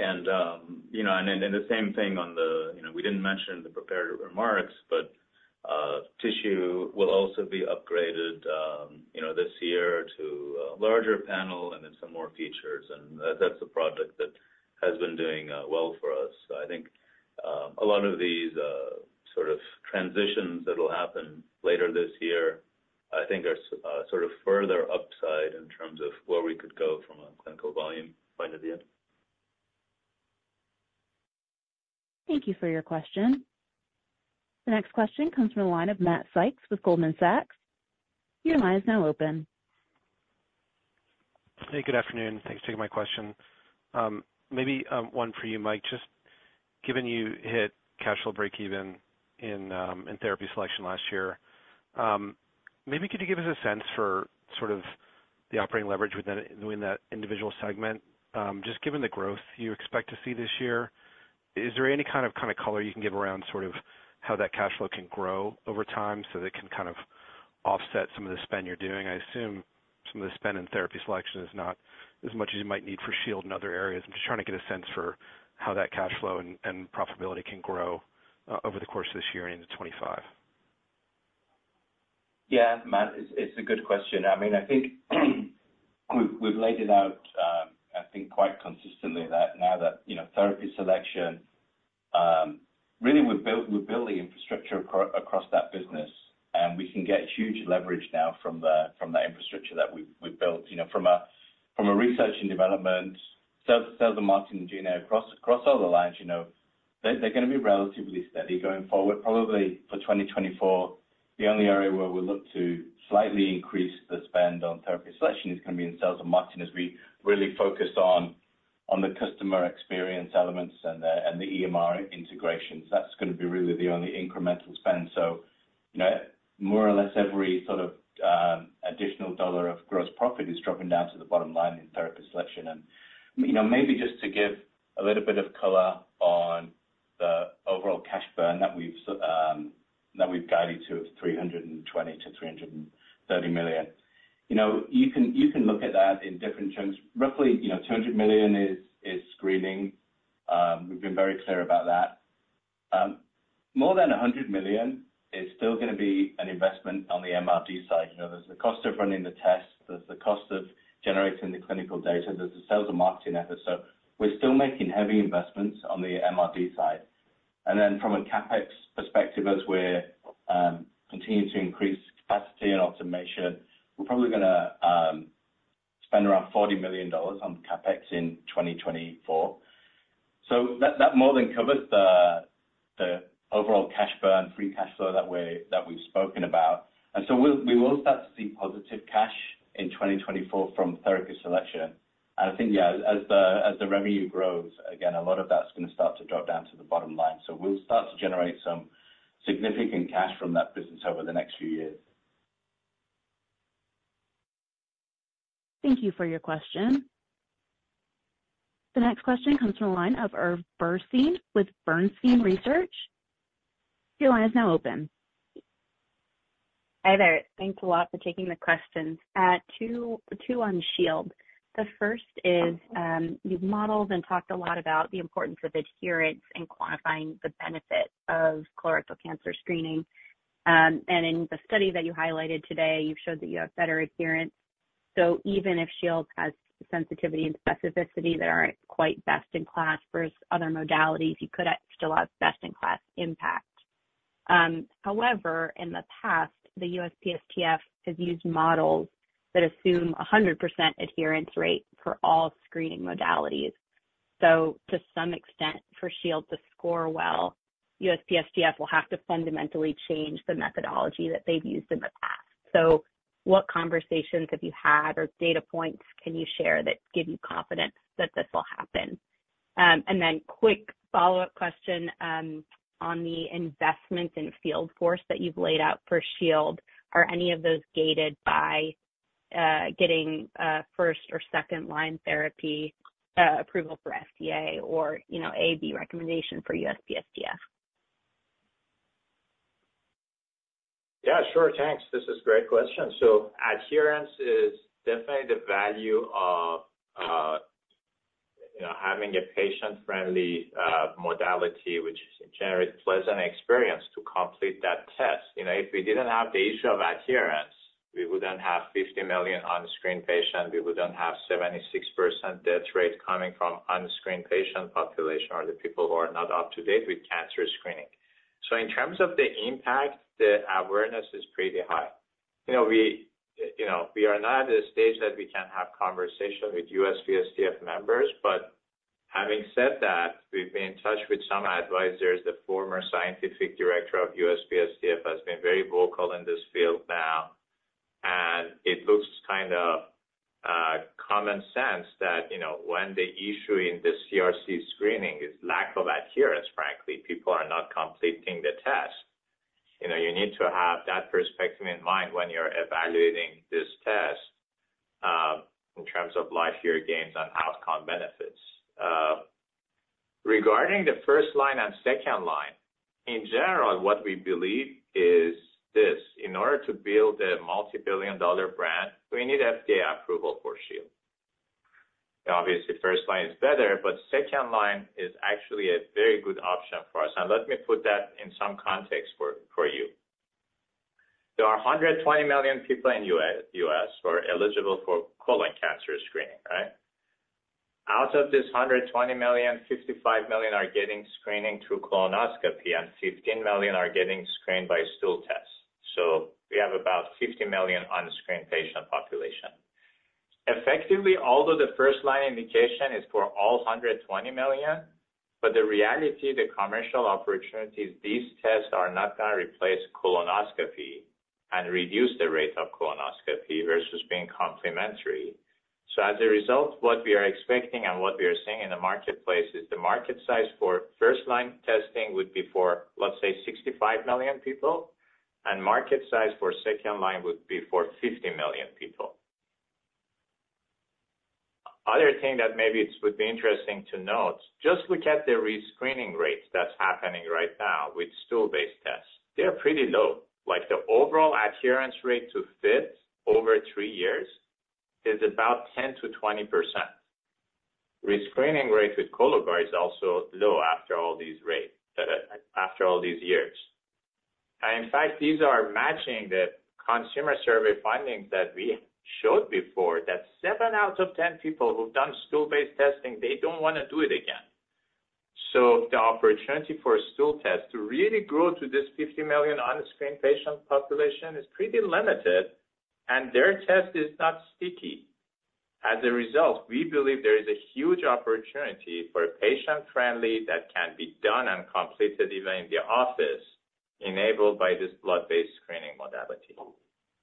And, you know, and then, and the same thing on the... You know, we didn't mention in the prepared remarks, but tissue will also be upgraded, you know, this year to a larger panel and then some more features, and that's a product that has been doing well for us. So I think a lot of these sort of transitions that'll happen later this year, I think are sort of further upside in terms of where we could go from a clinical volume point of view. Thank you for your question. The next question comes from the line of Matt Sykes with Goldman Sachs. Your line is now open. Hey, good afternoon. Thanks for taking my question. Maybe one for you, Mike. Just given you hit cash flow breakeven in therapy selection last year, maybe could you give us a sense for sort of the operating leverage within that individual segment? Just given the growth you expect to see this year, is there any kind of color you can give around sort of how that cash flow can grow over time, so that it can kind of offset some of the spend you're doing? I assume some of the spend in therapy selection is not as much as you might need for Shield and other areas. I'm just trying to get a sense for how that cash flow and profitability can grow over the course of this year and into 2025.... Yeah, Matt, it's a good question. I mean, I think we've laid it out, I think quite consistently that now that, you know, therapy selection, really we've built- we're building infrastructure across that business, and we can get huge leverage now from the infrastructure that we've built, you know, from research and development, sales and marketing, engineering across all the lines, you know. They're gonna be relatively steady going forward. Probably for 2024, the only area where we look to slightly increase the spend on therapy selection is gonna be in sales and marketing, as we really focus on the customer experience elements and the EMR integrations. That's gonna be really the only incremental spend. So, you know, more or less every sort of additional dollar of gross profit is dropping down to the bottom line in therapy selection. And, you know, maybe just to give a little bit of color on the overall cash burn that we've, that we've guided to of $320 million-$330 million. You know, you can, you can look at that in different terms. Roughly, you know, $200 million is screening. We've been very clear about that. More than $100 million is still gonna be an investment on the MRD side. You know, there's the cost of running the test, there's the cost of generating the clinical data, there's the sales and marketing efforts. So we're still making heavy investments on the MRD side. And then from a CapEx perspective, as we're continuing to increase capacity and automation, we're probably gonna spend around $40 million on CapEx in 2024. So that more than covers the overall cash burn, free cash flow that we've spoken about. And so we will start to see positive cash in 2024 from therapy selection. And I think, yeah, as the revenue grows, again, a lot of that's gonna start to drop down to the bottom line. So we'll start to generate some significant cash from that business over the next few years. Thank you for your question. The next question comes from the line of Eve Burstein with Bernstein Research. Your line is now open. Hi there. Thanks a lot for taking the questions. Two, two on Shield. The first is, you've modeled and talked a lot about the importance of adherence in quantifying the benefit of colorectal cancer screening. And in the study that you highlighted today, you've showed that you have better adherence. So even if Shield has sensitivity and specificity that aren't quite best in class versus other modalities, you could still have best in class impact. However, in the past, the USPSTF has used models that assume a 100% adherence rate for all screening modalities. So to some extent, for Shield to score well, USPSTF will have to fundamentally change the methodology that they've used in the past. So what conversations have you had or data points can you share that give you confidence that this will happen? Quick follow-up question on the investment in field force that you've laid out for Shield. Are any of those gated by getting first- or second-line therapy approval for FDA or, you know, A or B recommendation for USPSTF? Yeah, sure. Thanks. This is great question. So adherence is definitely the value of, you know, having a patient-friendly, modality, which is generate pleasant experience to complete that test. You know, if we didn't have the issue of adherence, we wouldn't have 50 million unscreened patient, we wouldn't have 76% death rate coming from unscreened patient population, or the people who are not up to date with cancer screening. So in terms of the impact, the awareness is pretty high. You know, we, you know, we are not at a stage that we can have conversation with USPSTF members, but having said that, we've been in touch with some advisors. The former scientific director of USPSTF has been very vocal in this field now, and it looks kind of common sense that, you know, when the issue in the CRC screening is lack of adherence, frankly, people are not completing the test. You know, you need to have that perspective in mind when you're evaluating this test, in terms of life-year gains and outcome benefits. Regarding the first-line and second-line, in general, what we believe is this, in order to build a multibillion-dollar brand, we need FDA approval for Shield. Obviously, first line is better, but second line is actually a very good option for us, and let me put that in some context for, for you. There are 120 million people in U.S., U.S. who are eligible for colon cancer screening, right? Out of this 120 million, 65 million are getting screening through colonoscopy, and 15 million are getting screened by stool tests. We have about 50 million unscreened patient population. Effectively, although the first line indication is for all 120 million, but the reality, the commercial opportunities, these tests are not gonna replace colonoscopy and reduce the rate of colonoscopy versus being complementary. So as a result, what we are expecting and what we are seeing in the marketplace is the market size for first line testing would be for, let's say, 65 million people, and market size for second line would be for 50 million people. Other thing that would be interesting to note, just look at the rescreening rates that's happening right now with stool-based tests. They're pretty low. Like, the overall adherence rate to FIT over three years is about 10%-20%.... Re-screening rate with Cologuard is also low after all these years. And in fact, these are matching the consumer survey findings that we showed before, that 7 out of 10 people who've done stool-based testing, they don't wanna do it again. So the opportunity for a stool test to really grow to this 50 million unscreened patient population is pretty limited, and their test is not sticky. As a result, we believe there is a huge opportunity for a patient-friendly that can be done and completed even in the office, enabled by this blood-based screening modality.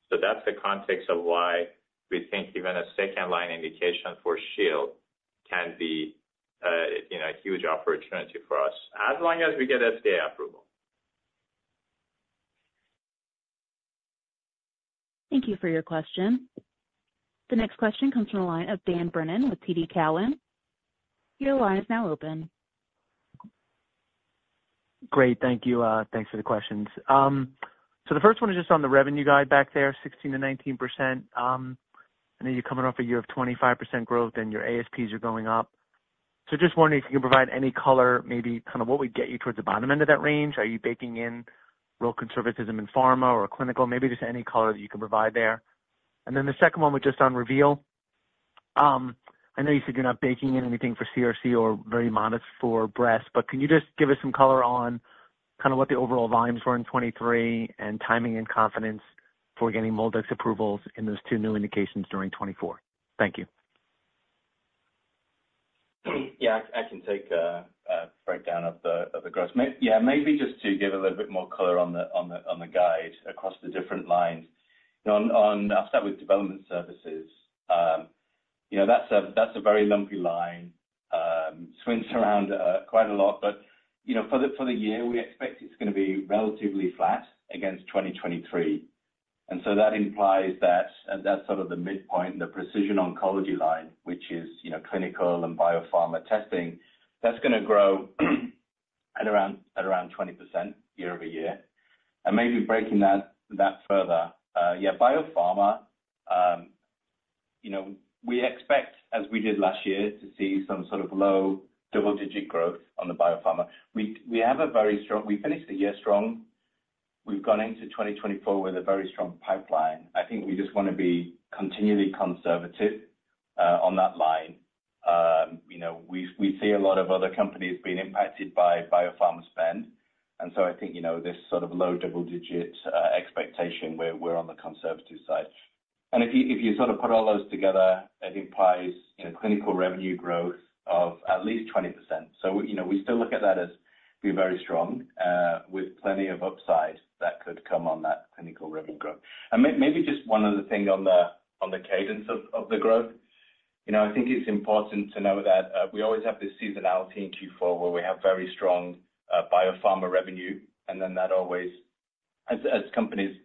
So that's the context of why we think even a second-line indication for Shield can be, you know, a huge opportunity for us, as long as we get FDA approval. Thank you for your question. The next question comes from the line of Dan Brennan with TD Cowen. Your line is now open. Great. Thank you. Thanks for the questions. So the first one is just on the revenue guide back there, 16%-19%. I know you're coming off a year of 25% growth, and your ASPs are going up. So just wondering if you can provide any color, maybe kind of what would get you towards the bottom end of that range. Are you baking in real conservatism in pharma or clinical? Maybe just any color that you can provide there. And then the second one was just on Reveal. I know you said you're not baking in anything for CRC or very modest for breast, but can you just give us some color on kind of what the overall volumes were in 2023, and timing and confidence for getting MolDX approvals in those two new indications during 2024? Thank you. Yeah, I can take breakdown of the gross. Yeah, maybe just to give a little bit more color on the guide across the different lines. You know, I'll start with development services. You know, that's a very lumpy line, swings around quite a lot, but, you know, for the year, we expect it's gonna be relatively flat against 2023. And so that implies that, and that's sort of the midpoint, the Precision Oncology line, which is, you know, clinical and biopharma testing, that's gonna grow at around 20% year-over-year. And maybe breaking that further. Yeah, biopharma, you know, we expect, as we did last year, to see some sort of low double-digit growth on the biopharma. We have a very strong. We finished the year strong. We've gone into 2024 with a very strong pipeline. I think we just wanna be continually conservative on that line. You know, we see a lot of other companies being impacted by biopharma spend, and so I think, you know, this sort of low double-digit expectation, we're on the conservative side. And if you sort of put all those together, it implies, you know, clinical revenue growth of at least 20%. So, you know, we still look at that as being very strong, with plenty of upside that could come on that clinical revenue growth. And maybe just one other thing on the cadence of the growth. You know, I think it's important to know that we always have this seasonality in Q4, where we have very strong biopharma revenue, and then that always... As companies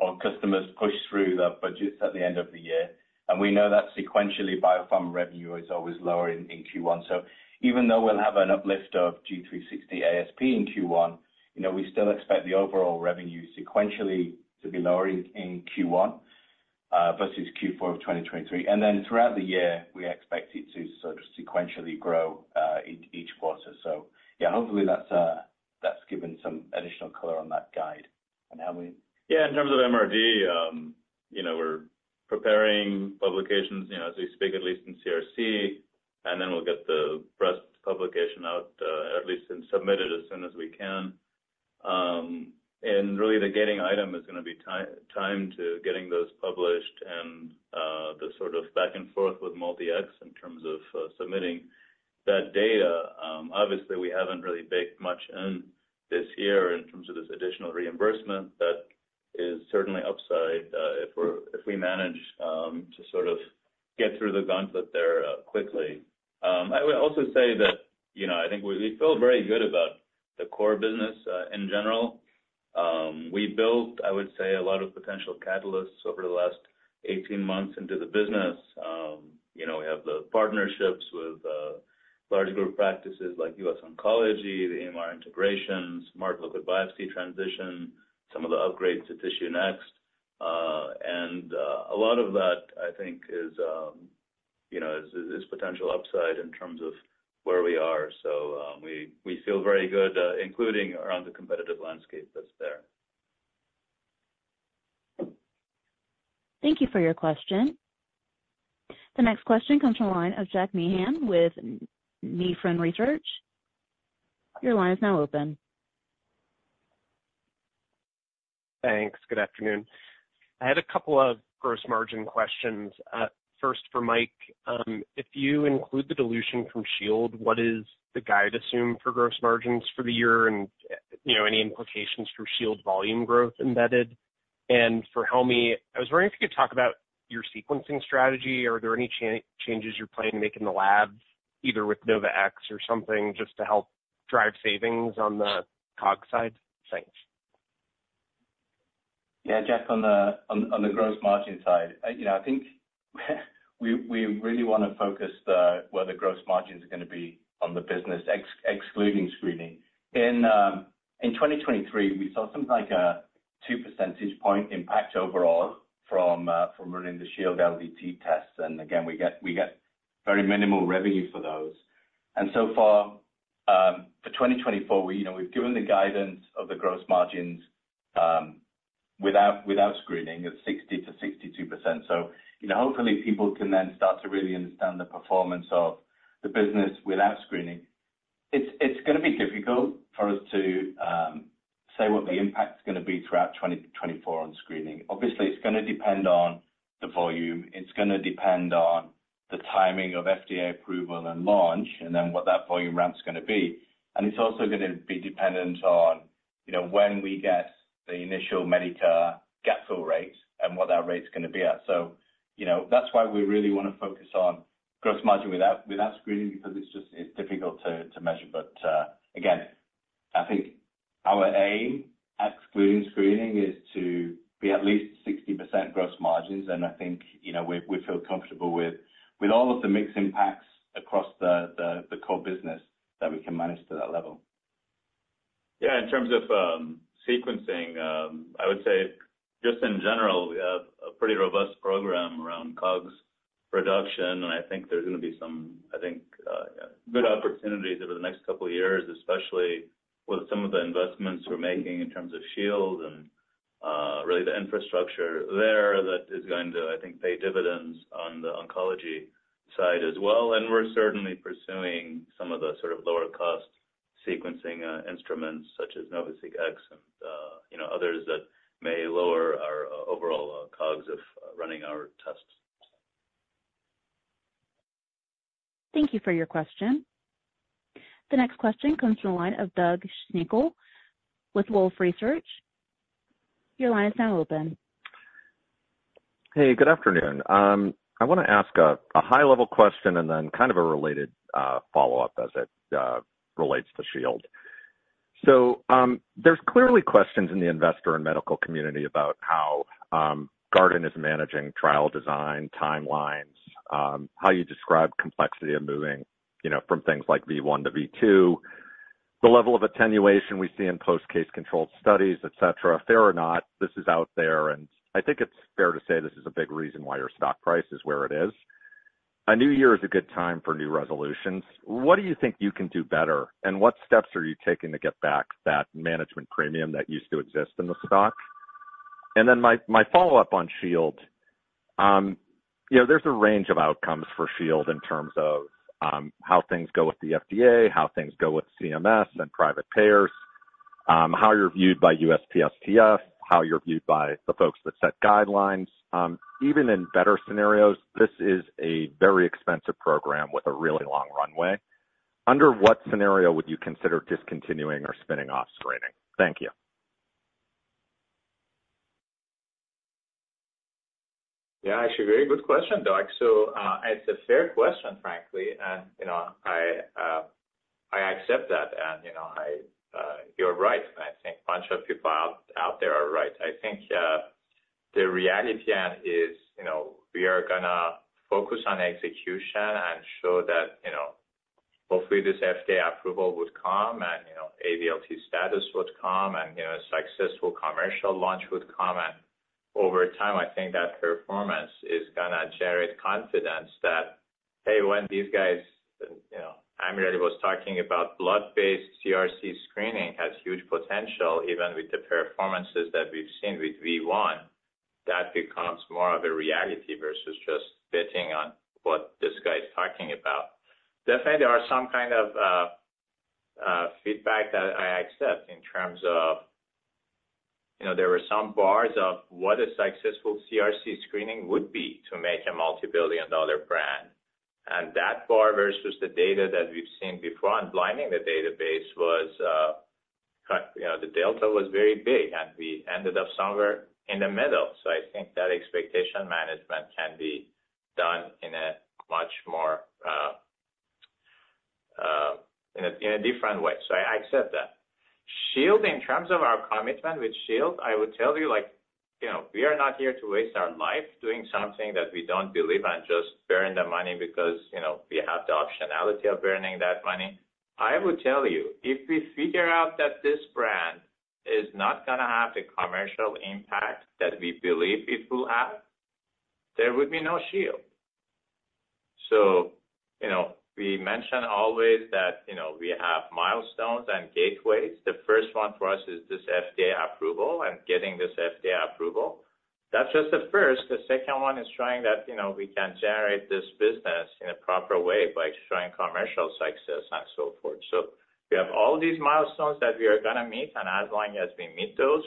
or customers push through the budgets at the end of the year, and we know that sequentially, biopharma revenue is always lower in Q1. So even though we'll have an uplift of G360 ASP in Q1, you know, we still expect the overall revenue sequentially to be lower in Q1 versus Q4 of 2023. And then throughout the year, we expect it to sort of sequentially grow in each quarter. So yeah, hopefully, that's given some additional color on that guide and how we- Yeah, in terms of MRD, you know, we're preparing publications, you know, as we speak, at least in CRC, and then we'll get the breast publication out, at least submitted as soon as we can. And really, the gating item is gonna be time to getting those published and, the sort of back and forth with MolDX in terms of, submitting that data. Obviously, we haven't really baked much in this year in terms of this additional reimbursement. That is certainly upside, if we manage to sort of get through the gauntlet there, quickly. I would also say that, you know, I think we, we feel very good about the core business, in general. We built, I would say, a lot of potential catalysts over the last 18 months into the business. You know, we have the partnerships with large group practices like US Oncology, the EMR integrations, liquid biopsy transition, some of the upgrades to TissueNext. And a lot of that, I think, is, you know, potential upside in terms of where we are. So we feel very good, including around the competitive landscape that's there. Thank you for your question. The next question comes from the line of Jack Meehan with Nephron Research. Your line is now open. Thanks. Good afternoon. I had a couple of gross margin questions. First, for Mike. If you include the dilution from Shield, what is the guide assume for gross margins for the year? And, you know, any implications for Shield volume growth embedded? And for Helmy, I was wondering if you could talk about your sequencing strategy. Are there any changes you're planning to make in the lab, either with NovaSeq X or something, just to help drive savings on the COGS side? Thanks. Yeah, Jack, on the gross margin side, you know, I think we really wanna focus on where the gross margins are gonna be on the business excluding screening. In 2023, we saw something like two-percentage-point impact overall from running the Shield LDT tests. And again, we get very minimal revenue for those. And so far, for 2024, you know, we've given the guidance of the gross margins without screening of 60%-62%. So, you know, hopefully, people can then start to really understand the performance of the business without screening. It's gonna be difficult for us to say what the impact is gonna be throughout 2024 on screening. Obviously, it's gonna depend on the volume, it's gonna depend on the timing of FDA approval and launch, and then what that volume ramp is gonna be. And it's also gonna be dependent on, you know, when we get the initial Medicare gap fill rates and what that rate's gonna be at. So, you know, that's why we really wanna focus on gross margin without screening, because it's just, it's difficult to measure. But, again, I think our aim at excluding screening is to be at least 60% gross margins, and I think, you know, we feel comfortable with all of the mixed impacts across the core business that we can manage to that level. Yeah, in terms of sequencing, I would say just in general, we have a pretty robust program around COGS reduction, and I think there's gonna be some, I think, good opportunities over the next couple of years, especially with some of the investments we're making in terms of Shield and really the infrastructure there that is going to, I think, pay dividends on the oncology side as well. And we're certainly pursuing some of the sort of lower-cost sequencing instruments, such as NovaSeq X and, you know, others that may lower our overall COGS of running our tests. Thank you for your question. The next question comes from the line of Doug Schenkel with Wolfe Research. Your line is now open. Hey, good afternoon. I wanna ask a high-level question and then kind of a related follow-up as it relates to Shield. So, there's clearly questions in the investor and medical community about how Guardant is managing trial design, timelines, how you describe complexity of moving, you know, from things like V1 to V2, the level of attenuation we see in post-case controlled studies, et cetera. Fair or not, this is out there, and I think it's fair to say this is a big reason why your stock price is where it is. A new year is a good time for new resolutions. What do you think you can do better, and what steps are you taking to get back that management premium that used to exist in the stock? And then my follow-up on Shield. You know, there's a range of outcomes for Shield in terms of how things go with the FDA, how things go with CMS and private payers, how you're viewed by USPSTF, how you're viewed by the folks that set guidelines. Even in better scenarios, this is a very expensive program with a really long runway. Under what scenario would you consider discontinuing or spinning off screening? Thank you. Yeah, actually, very good question, Doug. So, it's a fair question, frankly, and, you know, I accept that. And, you know... You're right. I think a bunch of people out there are right. I think, the reality then is, you know, we are gonna focus on execution and show that, you know, hopefully, this FDA approval would come and, you know, ADLT status would come, and, you know, a successful commercial launch would come. And over time, I think that performance is gonna generate confidence that, hey, when these guys, you know, Amir was talking about blood-based CRC screening has huge potential, even with the performances that we've seen with V1, that becomes more of a reality versus just betting on what this guy's talking about. Definitely, there are some kind of feedback that I accept in terms of, you know, there were some bars of what a successful CRC screening would be to make a Multi-Billion-Dollar brand. And that bar versus the data that we've seen before, and blinding the database was. You know, the delta was very big, and we ended up somewhere in the middle. So I think that expectation management can be done in a much more in a different way. So I accept that. Shield, in terms of our commitment with Shield, I would tell you, like, you know, we are not here to waste our life doing something that we don't believe and just burn the money because, you know, we have the optionality of burning that money. I would tell you, if we figure out that this brand is not gonna have the commercial impact that we believe it will have, there would be no Shield. So, you know, we mention always that, you know, we have milestones and gateways. The first one for us is this FDA approval and getting this FDA approval. That's just the first. The second one is showing that, you know, we can generate this business in a proper way by showing commercial success and so forth. So we have all these milestones that we are gonna meet, and as long as we meet those,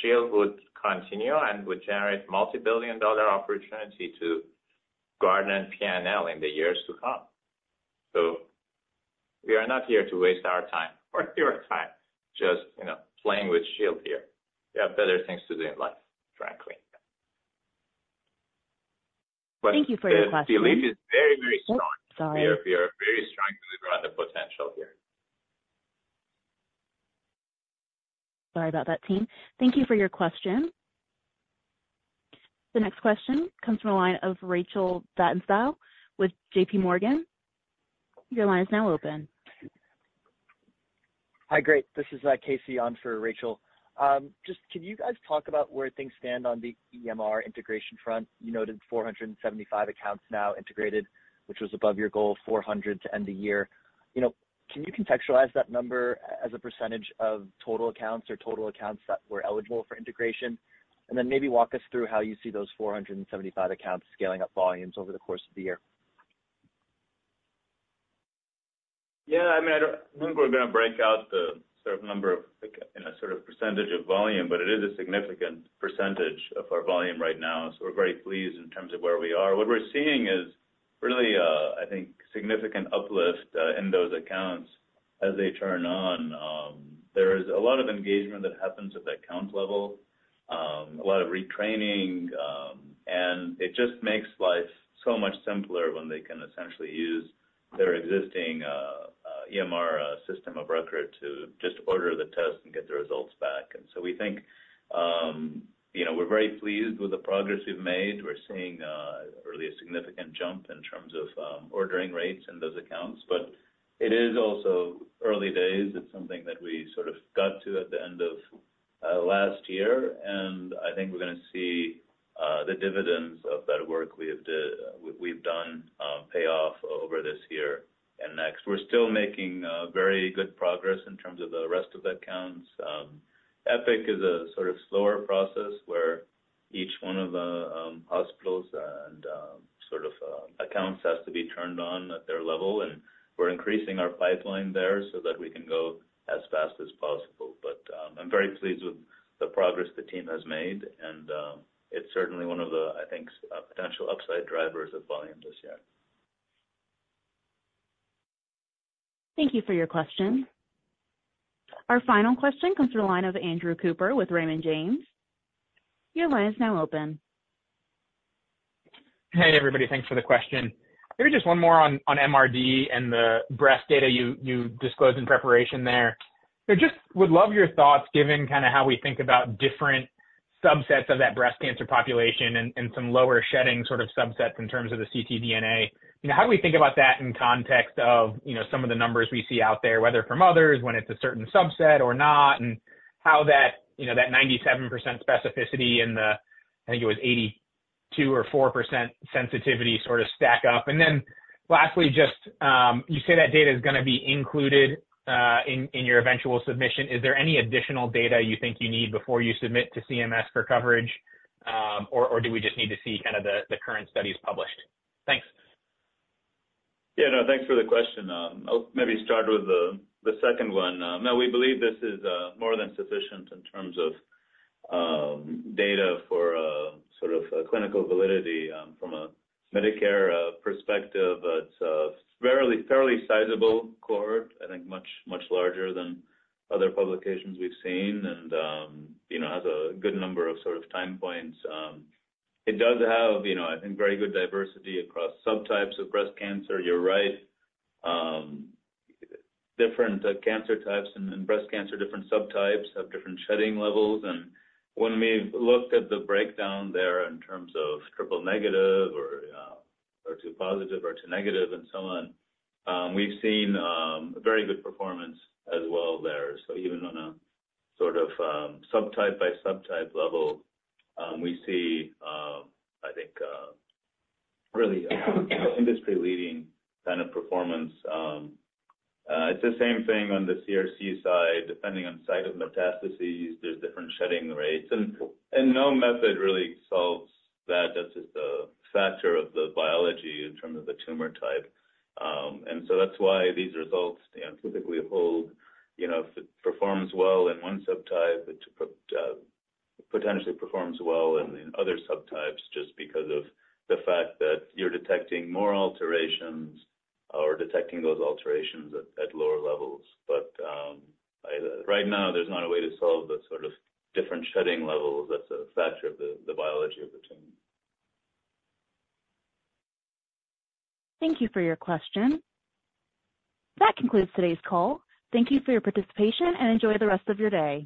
Shield would continue and would generate multi-billion dollar opportunity to Guardant P&L in the years to come. So we are not here to waste our time or your time just, you know, playing with Shield here. We have better things to do in life, frankly. Thank you for your question. But the belief is very, very strong. Sorry. We are very strong believer on the potential here. Sorry about that, team. Thank you for your question. The next question comes from the line of Rachel Vatnsdal with J.P. Morgan. Your line is now open. Hi. Great. This is Casey on for Rachel. Just, can you guys talk about where things stand on the EMR integration front? You noted 475 accounts now integrated, which was above your goal of 400 to end the year. You know, can you contextualize that number as a percentage of total accounts or total accounts that were eligible for integration? And then maybe walk us through how you see those 475 accounts scaling up volumes over the course of the year. Yeah, I mean, I don't think we're going to break out the sort of number of, like, in a sort of percentage of volume, but it is a significant percentage of our volume right now, so we're very pleased in terms of where we are. What we're seeing is really, I think, significant uplift in those accounts as they turn on. There is a lot of engagement that happens at the account level, a lot of retraining, and it just makes life so much simpler when they can essentially use their existing EMR system of record to just order the test and get the results back. And so we think, you know, we're very pleased with the progress we've made. We're seeing really a significant jump in terms of ordering rates in those accounts, but it is also early days. It's something that we sort of got to at the end of last year, and I think we're gonna see the dividends of that work we've done pay off over this year and next. We're still making very good progress in terms of the rest of the accounts. Epic is a sort of slower process, where each one of the hospitals and sort of accounts has to be turned on at their level, and we're increasing our pipeline there so that we can go as fast as possible. But I'm very pleased with the progress the team has made, and it's certainly one of the, I think, potential upside drivers of volume this year. Thank you for your question. Our final question comes from the line of Andrew Cooper with Raymond James. Your line is now open. Hey, everybody. Thanks for the question. Maybe just one more on, on MRD and the breast data you, you disclosed in preparation there. I just would love your thoughts, given kind of how we think about different subsets of that breast cancer population and, and some lower shedding sort of subsets in terms of the ctDNA. You know, how do we think about that in context of, you know, some of the numbers we see out there, whether from others, when it's a certain subset or not, and how that, you know, that 97% specificity and the, I think it was 82 or 4% sensitivity sort of stack up? And then lastly, just, you say that data is gonna be included, in, in your eventual submission. Is there any additional data you think you need before you submit to CMS for coverage? Or do we just need to see kind of the current studies published? Thanks. Yeah, no, thanks for the question. I'll maybe start with the, the second one. No, we believe this is more than sufficient in terms of data for sort of clinical validity from a Medicare perspective. It's a fairly, fairly sizable cohort, I think, much, much larger than other publications we've seen, and you know, has a good number of sort of time points. It does have, you know, I think, very good diversity across subtypes of breast cancer. You're right, different cancer types and breast cancer, different subtypes have different shedding levels. And when we've looked at the breakdown there in terms of triple-negative or HER2 positive or HER2 negative and so on, we've seen a very good performance as well there. So even on a sort of, subtype by subtype level, we see, I think, really, industry-leading kind of performance. It's the same thing on the CRC side. Depending on site of metastases, there's different shedding rates. And no method really solves that. That's just a factor of the biology in terms of the tumor type. And so that's why these results, you know, typically hold, you know, if it performs well in one subtype, it potentially performs well in other subtypes, just because of the fact that you're detecting more alterations or detecting those alterations at lower levels. But right now, there's not a way to solve the sort of different shedding levels. That's a factor of the biology of the tumor. Thank you for your question. That concludes today's call. Thank you for your participation, and enjoy the rest of your day.